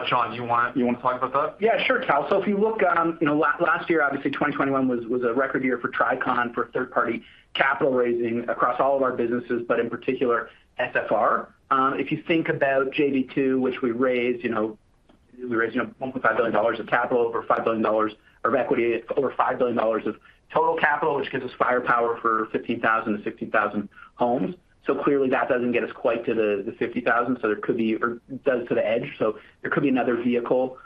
John, do you wanna talk about that? Yeah, sure, Tal. If you look, last year, obviously 2021 was a record year for Tricon for third-party capital raising across all of our businesses, but in particular SFR. If you think about SFR JV-2, which we raised, we raised $1.5 billion of capital or $5 billion of equity, over $5 billion of total capital, which gives us firepower for 15,000-16,000 homes. Clearly, that doesn't get us quite to the 50,000. There could be another vehicle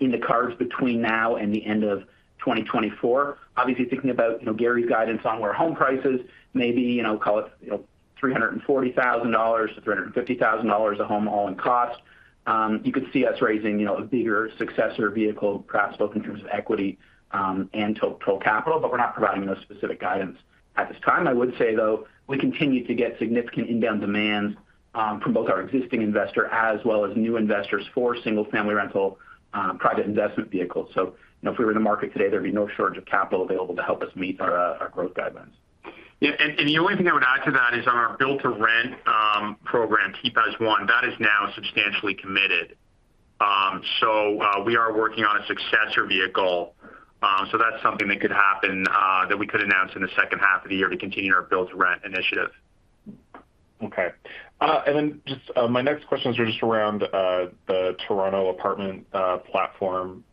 in the cards between now and the end of 2024. Obviously, thinking about, you know, Gary's guidance on where home prices may be, you know, call it, you know, $340,000-$350,000 a home all in cost. You could see us raising, you know, a bigger successor vehicle, perhaps both in terms of equity and total capital, but we're not providing those specific guidance at this time. I would say, though, we continue to get significant inbound demand from both our existing investor as well as new investors for single-family rental private investment vehicles. You know, if we were in the market today, there'd be no shortage of capital available to help us meet our growth guidelines. The only thing I would add to that is on our build-to-rent program, THPAS JV-1, that is now substantially committed. We are working on a successor vehicle. That's something that could happen that we could announce in the second half of the year to continue our build-to-rent initiative. Okay. My next questions are just around the Toronto apartment platform.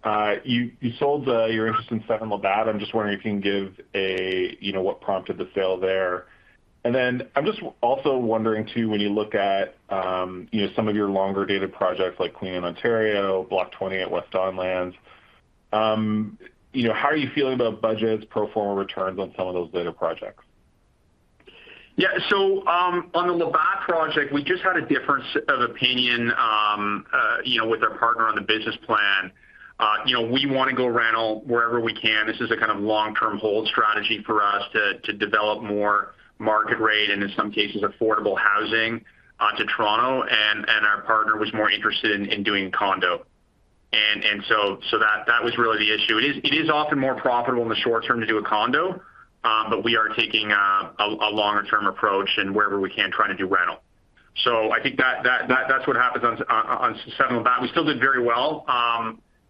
You sold your interest in seven Labatt. I'm just wondering if you can give a, you know, what prompted the sale there. I'm just also wondering too, when you look at, you know, some of your longer-dated projects like Queen & Ontario, Block 20 at West Don Lands, you know, how are you feeling about budgets, pro forma returns on some of those later projects? Yeah. On the Labatt project, we just had a difference of opinion, you know, with our partner on the business plan. You know, we wanna go rental wherever we can. This is a kind of long-term hold strategy for us to develop more market rate and in some cases, affordable housing to Toronto. Our partner was more interested in doing condo. That was really the issue. It is often more profitable in the short term to do a condo, but we are taking a longer-term approach and wherever we can, trying to do rental. I think that's what happens on seven Labatt. We still did very well,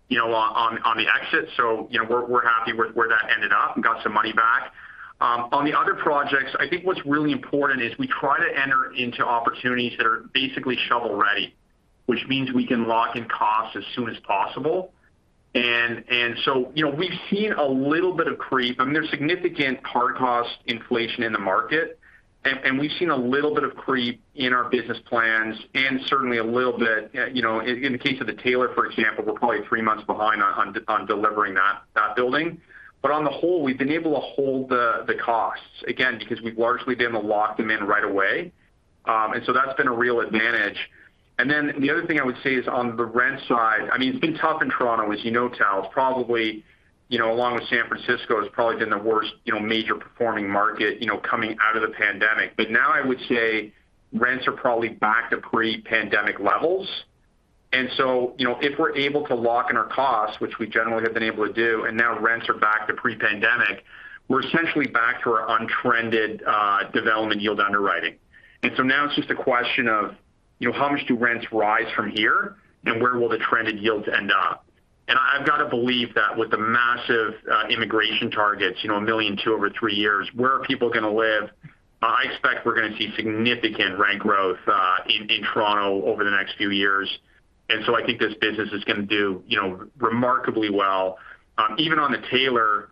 you know, on the exit, so you know, we're happy with where that ended up and got some money back. On the other projects, I think what's really important is we try to enter into opportunities that are basically shovel-ready, which means we can lock in costs as soon as possible. We've seen a little bit of creep. I mean, there's significant hard cost inflation in the market and we've seen a little bit of creep in our business plans and certainly a little bit, you know, in the case of The Taylor, for example, we're probably three months behind on delivering that building. On the whole, we've been able to hold the costs, again, because we've largely been able to lock them in right away. That's been a real advantage. The other thing I would say is on the rent side, I mean, it's been tough in Toronto, as you know, Tal. It's probably, you know, along with San Francisco, has probably been the worst, you know, major performing market, you know, coming out of the pandemic. Now I would say rents are probably back to pre-pandemic levels. You know, if we're able to lock in our costs, which we generally have been able to do, and now rents are back to pre-pandemic, we're essentially back to our untrended, development yield underwriting. Now it's just a question of, you know, how much do rents rise from here, and where will the trended yields end up? I've gotta believe that with the massive immigration targets, you know, 1.2 million over three years, where are people gonna live? I expect we're gonna see significant rent growth in Toronto over the next few years. I think this business is gonna do, you know, remarkably well. Even on The Taylor,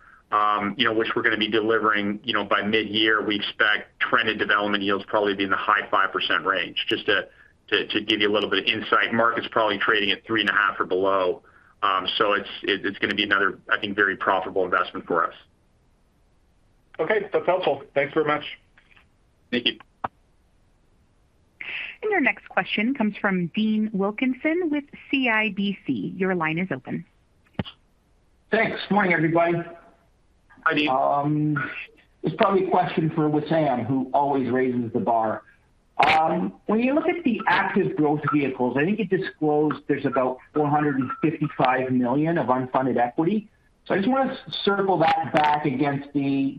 you know, which we're gonna be delivering, you know, by mid-year. We expect trended development yields probably be in the high 5% range. Just to give you a little bit of insight. Market's probably trading at 3.5% or below. It's gonna be another, I think, very profitable investment for us. Okay. That's helpful. Thanks very much. Thank you. Your next question comes from Dean Wilkinson with CIBC. Your line is open. Thanks. Good morning, everybody. Hi, Dean. This is probably a question for Wissam, who always raises the bar. When you look at the active growth vehicles, I think you disclosed there's about $455 million of unfunded equity. I just wanna circle that back against the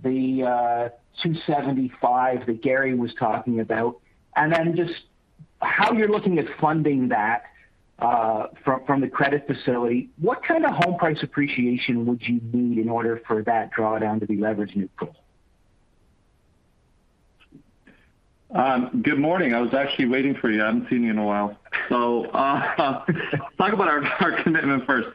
$275 that Gary was talking about, and then just how you're looking at funding that from the credit facility. What kind of home price appreciation would you need in order for that drawdown to be leverage neutral? Good morning. I was actually waiting for you. I haven't seen you in a while. Talk about our commitment first.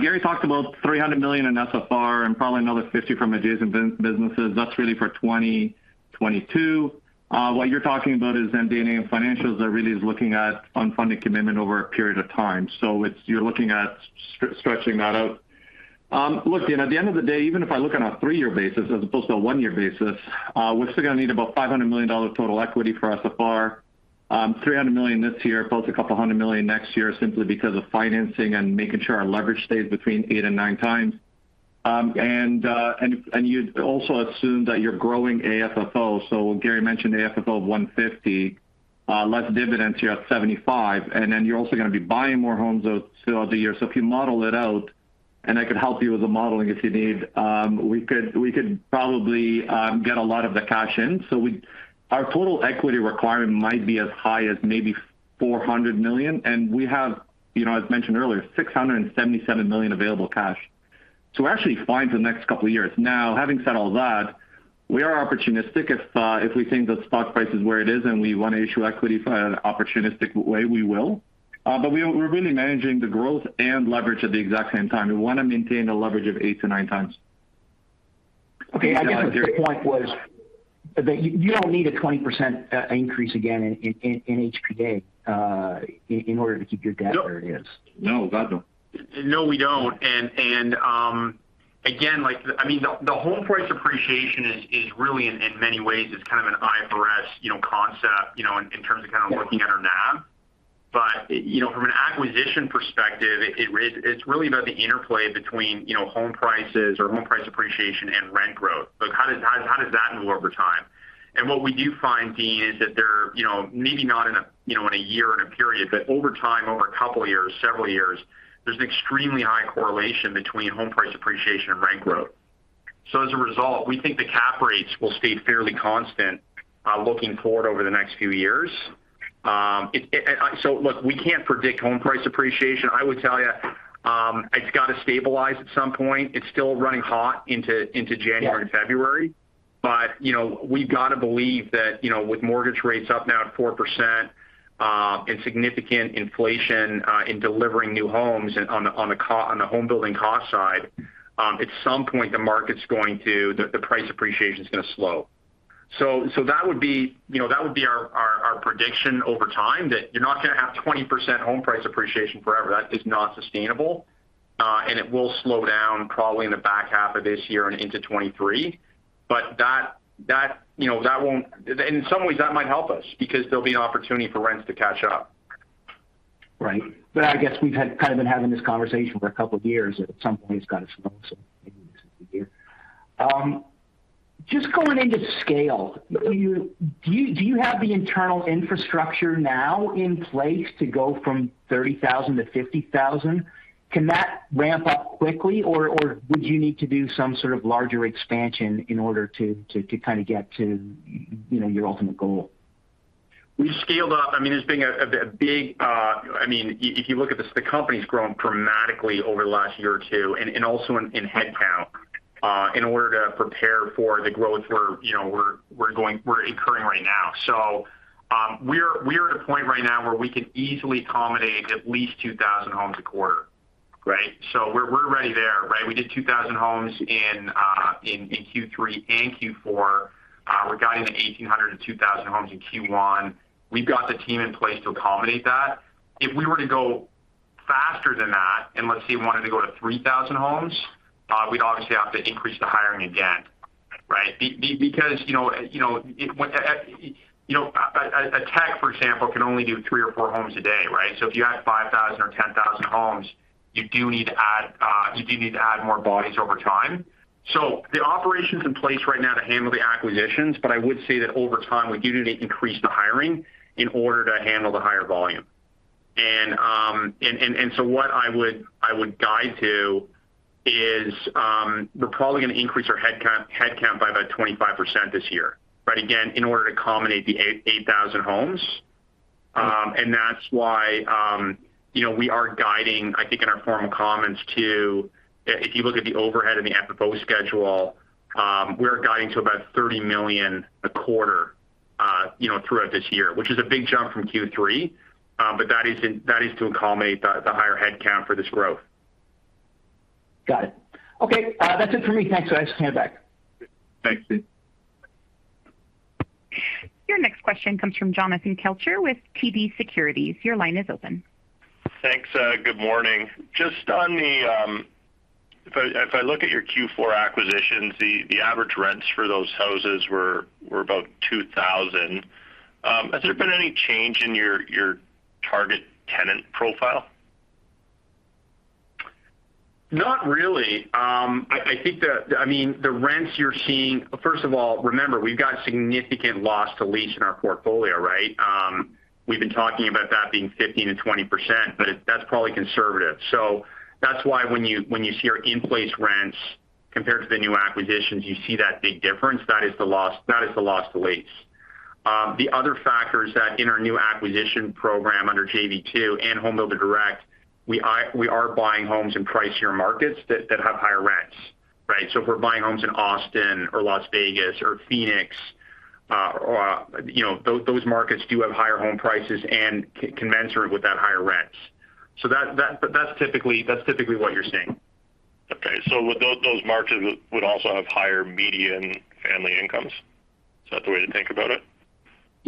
Gary talked about $300 million in SFR and probably another $50 million from adjacent businesses. That's really for 2022. What you're talking about is MD&A and financials that really is looking at unfunded commitment over a period of time. It's you're looking at stretching that out. Look, Dean, at the end of the day, even if I look on a three-year basis as opposed to a one-year basis, we're still gonna need about $500 million total equity for SFR. 300 million this year, plus a couple hundred million next year simply because of financing and making sure our leverage stays between eight times and nine times. You'd also assume that you're growing AFFO. Gary mentioned AFFO of $1.50, less dividends, you're at $0.75, and then you're also gonna be buying more homes throughout the year. If you model it out, and I could help you with the modeling if you need, we could probably get a lot of the cash in. Our total equity requirement might be as high as maybe $400 million, and we have, you know, as mentioned earlier, $677 million available cash. We're actually fine for the next couple of years. Now, having said all that, we are opportunistic. If we think the stock price is where it is and we want to issue equity for an opportunistic way, we will. We're really managing the growth and leverage at the exact same time. We want to maintain a leverage of eight to nine times. Okay. I guess the point was that you don't need a 20% increase again in HPA in order to keep your debt where it is. No. No, we don't. Again, like I mean, the home price appreciation is really in many ways kind of an IFRS, you know, concept, you know, in terms of kind of looking at our NAV. You know, from an acquisition perspective, it's really about the interplay between, you know, home prices or home price appreciation and rent growth. Like how does that move over time? What we do find, Dean, is that there, you know, maybe not in a year or in a period, but over time, over a couple years, several years, there's an extremely high correlation between home price appreciation and rent growth. As a result, we think the cap rates will stay fairly constant, looking forward over the next few years. Look, we can't predict home price appreciation. I would tell you, it's gotta stabilize at some point. It's still running hot into January and February. You know, we've got to believe that, you know, with mortgage rates up now at 4%, and significant inflation in delivering new homes and on the home building cost side, at some point the market's going to slow the price appreciation. That would be our prediction over time, that you're not gonna have 20% home price appreciation forever. That is not sustainable, and it will slow down probably in the back half of this year and into 2023. That won't. In some ways, that might help us because there'll be an opportunity for rents to catch up. Right. I guess we've had, kind of been having this conversation for a couple of years. At some point it's got to slow. Just going into scale, do you have the internal infrastructure now in place to go from 30,000 to 50,000? Can that ramp up quickly, or would you need to do some sort of larger expansion in order to kind of get to, you know, your ultimate goal? We've scaled up. I mean, there's been a big. I mean, if you look at this, the company's grown dramatically over the last year or two and also in headcount in order to prepare for the growth, you know, we're incurring right now. We're at a point right now where we can easily accommodate at least 2000 homes a quarter, right? We're already there, right? We did 2000 homes in Q3 and Q4. We're guiding 1800-2000 homes in Q1. We've got the team in place to accommodate that. If we were to go faster than that, and let's say we wanted to go to 3000 homes, we'd obviously have to increase the hiring again, right? Because you know a tech, for example, can only do three or four homes a day, right? If you have 5,000 or 10,000 homes, you do need to add more bodies over time. The operations in place right now to handle the acquisitions, but I would say that over time, we do need to increase the hiring in order to handle the higher volume. What I would guide to is, we're probably gonna increase our headcount by about 25% this year, right? Again, in order to accommodate the 8,000 homes. That's why, you know, we are guiding, I think in our formal comments too, if you look at the overhead and the CapEx schedule, we're guiding to about $30 million a quarter. You know, throughout this year, which is a big jump from Q3. That is to accommodate the higher headcount for this growth. Got it. Okay. That's it for me. Thanks, guys. Stand back. Thanks, Dean Wilkinson. Your next question comes from Jonathan Kelcher with TD Securities. Your line is open. Thanks. Good morning. Just on the. If I look at your Q4 acquisitions, the average rents for those houses were about $2,000. Has there been any change in your target tenant profile? Not really. I mean, the rents you're seeing. First of all, remember, we've got significant loss to lease in our portfolio, right? We've been talking about that being 15%-20%, but that's probably conservative. That's why when you see our in-place rents compared to the new acquisitions, you see that big difference. That is the loss to lease. The other factor is that in our new acquisition program under SFR JV-2 and Home Builder Direct, we are buying homes in pricier markets that have higher rents, right? If we're buying homes in Austin or Las Vegas or Phoenix, you know, those markets do have higher home prices and can command higher rents. But that's typically what you're seeing. Would those markets also have higher median family incomes? Is that the way to think about it?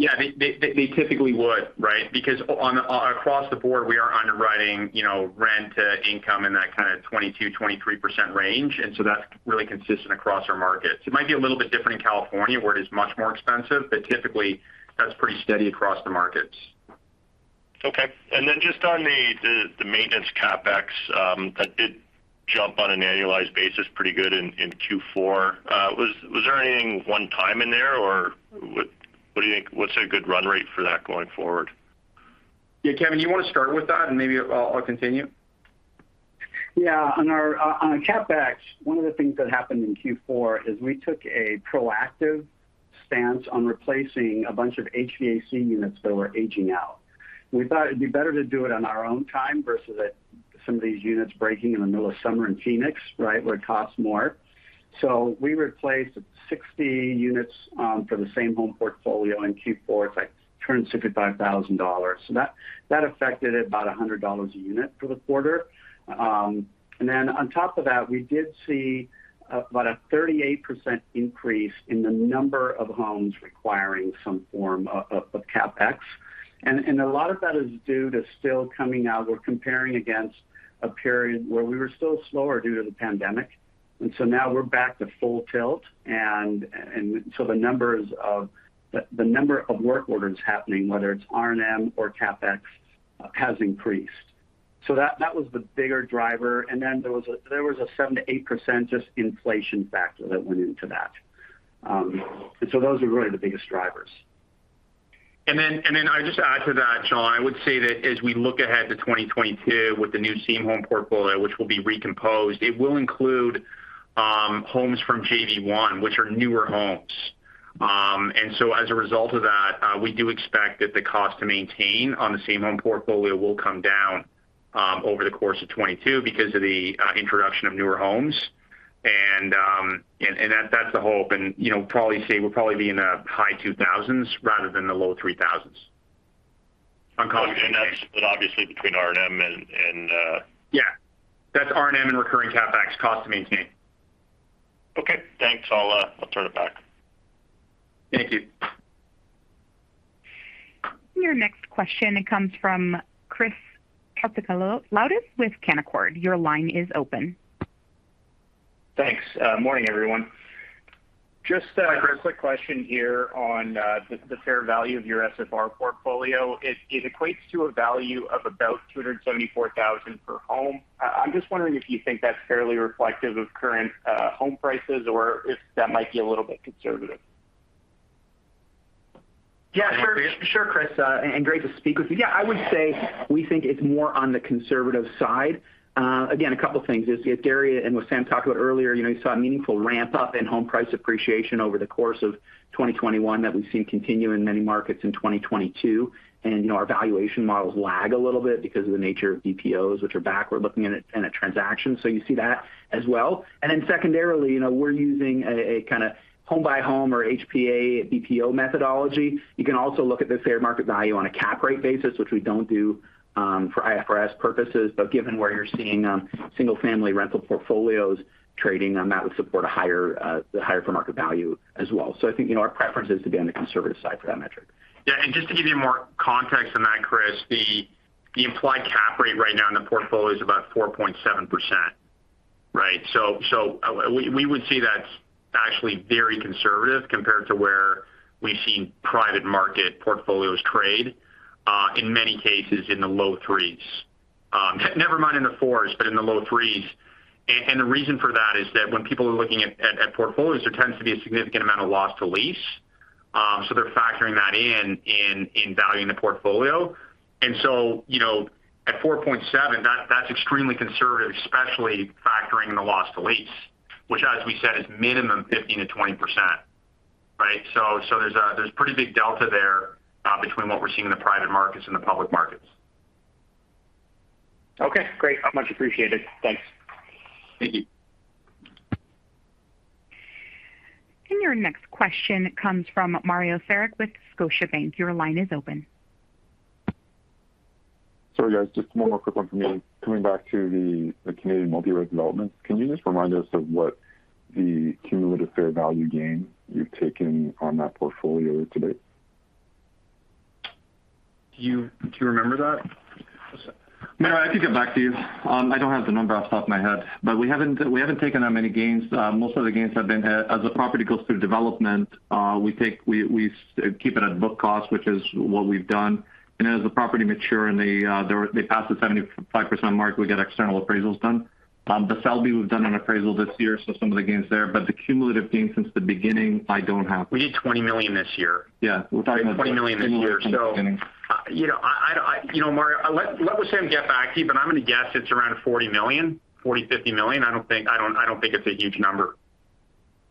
Yeah. They typically would, right? Because across the board, we are underwriting, you know, rent to income in that kind of 22%-23% range. That's really consistent across our markets. It might be a little bit different in California, where it is much more expensive, but typically that's pretty steady across the markets. Okay. Then just on the maintenance CapEx, that did jump on an annualized basis pretty good in Q4. Was there anything one time in there or what do you think? What's a good run rate for that going forward? Yeah. Kevin, do you want to start with that, and maybe I'll continue? Yeah. On our CapEx, one of the things that happened in Q4 is we took a proactive stance on replacing a bunch of HVAC units that were aging out. We thought it'd be better to do it on our own time versus at some of these units breaking in the middle of summer in Phoenix, right, where it costs more. We replaced 60 units from the same home portfolio in Q4. It's like $265,000. That affected it about $100 a unit for the quarter. Then on top of that, we did see about a 38% increase in the number of homes requiring some form of CapEx. A lot of that is due to still coming out. We're comparing against a period where we were still slower due to the pandemic, and so now we're back to full tilt. The number of work orders happening, whether it's R&M or CapEx, has increased. That was the bigger driver. There was a 7%-8% just inflation factor that went into that. Those are really the biggest drivers. I'll just add to that, John. I would say that as we look ahead to 2022 with the new Same-Home portfolio, which will be recomposed, it will include homes from SFR JV-1, which are newer homes. As a result of that, we do expect that the cost to maintain on the Same-Home portfolio will come down over the course of 2022 because of the introduction of newer homes. That's the hope. You know, we'll probably be in the high $2,000s rather than the low $3,000s on cost. That's obviously between R&M and Yeah. That's R&M and recurring CapEx cost to maintain. Okay. Thanks. I'll turn it back. Thank you. Your next question comes from Christopher Koutsikaloudis with Canaccord. Your line is open. Thanks. Good morning, everyone. Hi, Chris. Quick question here on the fair value of your SFR portfolio. It equates to a value of about $274,000 per home. I'm just wondering if you think that's fairly reflective of current home prices or if that might be a little bit conservative. Yeah, sure. Can you hear me? Sure, Chris. Great to speak with you. Yeah, I would say we think it's more on the conservative side. Again, a couple things is, as Gary and Wissam talked about earlier, you know, you saw a meaningful ramp up in home price appreciation over the course of 2021 that we've seen continue in many markets in 2022. You know, our valuation models lag a little bit because of the nature of BPOs, which are backward looking in a transaction. You see that as well. Secondarily, you know, we're using a kinda home-by-home or HPA BPO methodology. You can also look at this fair market value on a cap rate basis, which we don't do, for IFRS purposes. Given where you're seeing single-family rental portfolios trading, that would support a higher fair market value as well. I think, you know, our preference is to be on the conservative side for that metric. Yeah. Just to give you more context on that, Chris, the implied cap rate right now in the portfolio is about 4.7%, right? So we would say that's actually very conservative compared to where we've seen private market portfolios trade in many cases in the low threes. Never mind in the 4s, but in the low threes. The reason for that is that when people are looking at portfolios, there tends to be a significant amount of loss to lease. So they're factoring that in valuing the portfolio. You know, at 4.7, that's extremely conservative, especially factoring the loss to lease, which as we said is minimum 15%-20%, right? There's pretty big delta there between what we're seeing in the private markets and the public markets. Okay, great. Much appreciated. Thanks. Thank you. Your next question comes from Mario Saric with Scotiabank. Your line is open. Sorry, guys. Just one more quick one for me. Coming back to the Canadian multi-res developments, can you just remind us of what the cumulative fair value gain you've taken on that portfolio to date? Do you remember that? Mario, I can get back to you. I don't have the number off the top of my head, but we haven't taken that many gains. Most of the gains have been as the property goes through development, we keep it at book cost, which is what we've done. As the property mature and they pass the 75% mark, we get external appraisals done. The Selby, we've done an appraisal this year, so some of the gains there. The cumulative gain since the beginning, I don't have. We did $20 million this year. Yeah. We're talking about. $20 million this year. You know, Mario, let Wissam get back to you, but I'm gonna guess it's around $40 million, $40, $50 million. I don't think it's a huge number.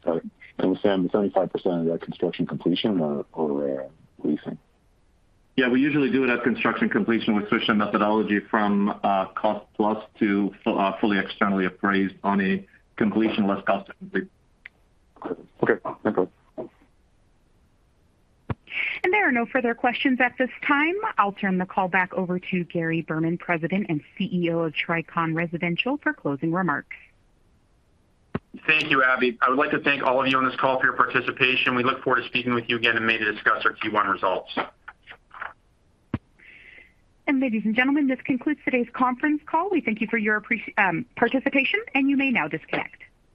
Sorry. Wissam, is 75% of that construction completion or leasing? Yeah, we usually do it at construction completion. We switch the methodology from cost plus to fully externally appraised on a completion less cost to complete. Okay. No problem. Thanks. There are no further questions at this time. I'll turn the call back over to Gary Berman, President and CEO of Tricon Residential, for closing remarks. Thank you, Abby. I would like to thank all of you on this call for your participation. We look forward to speaking with you again in May to discuss our Q1 results. Ladies and gentlemen, this concludes today's conference call. We thank you for your participation, and you may now disconnect.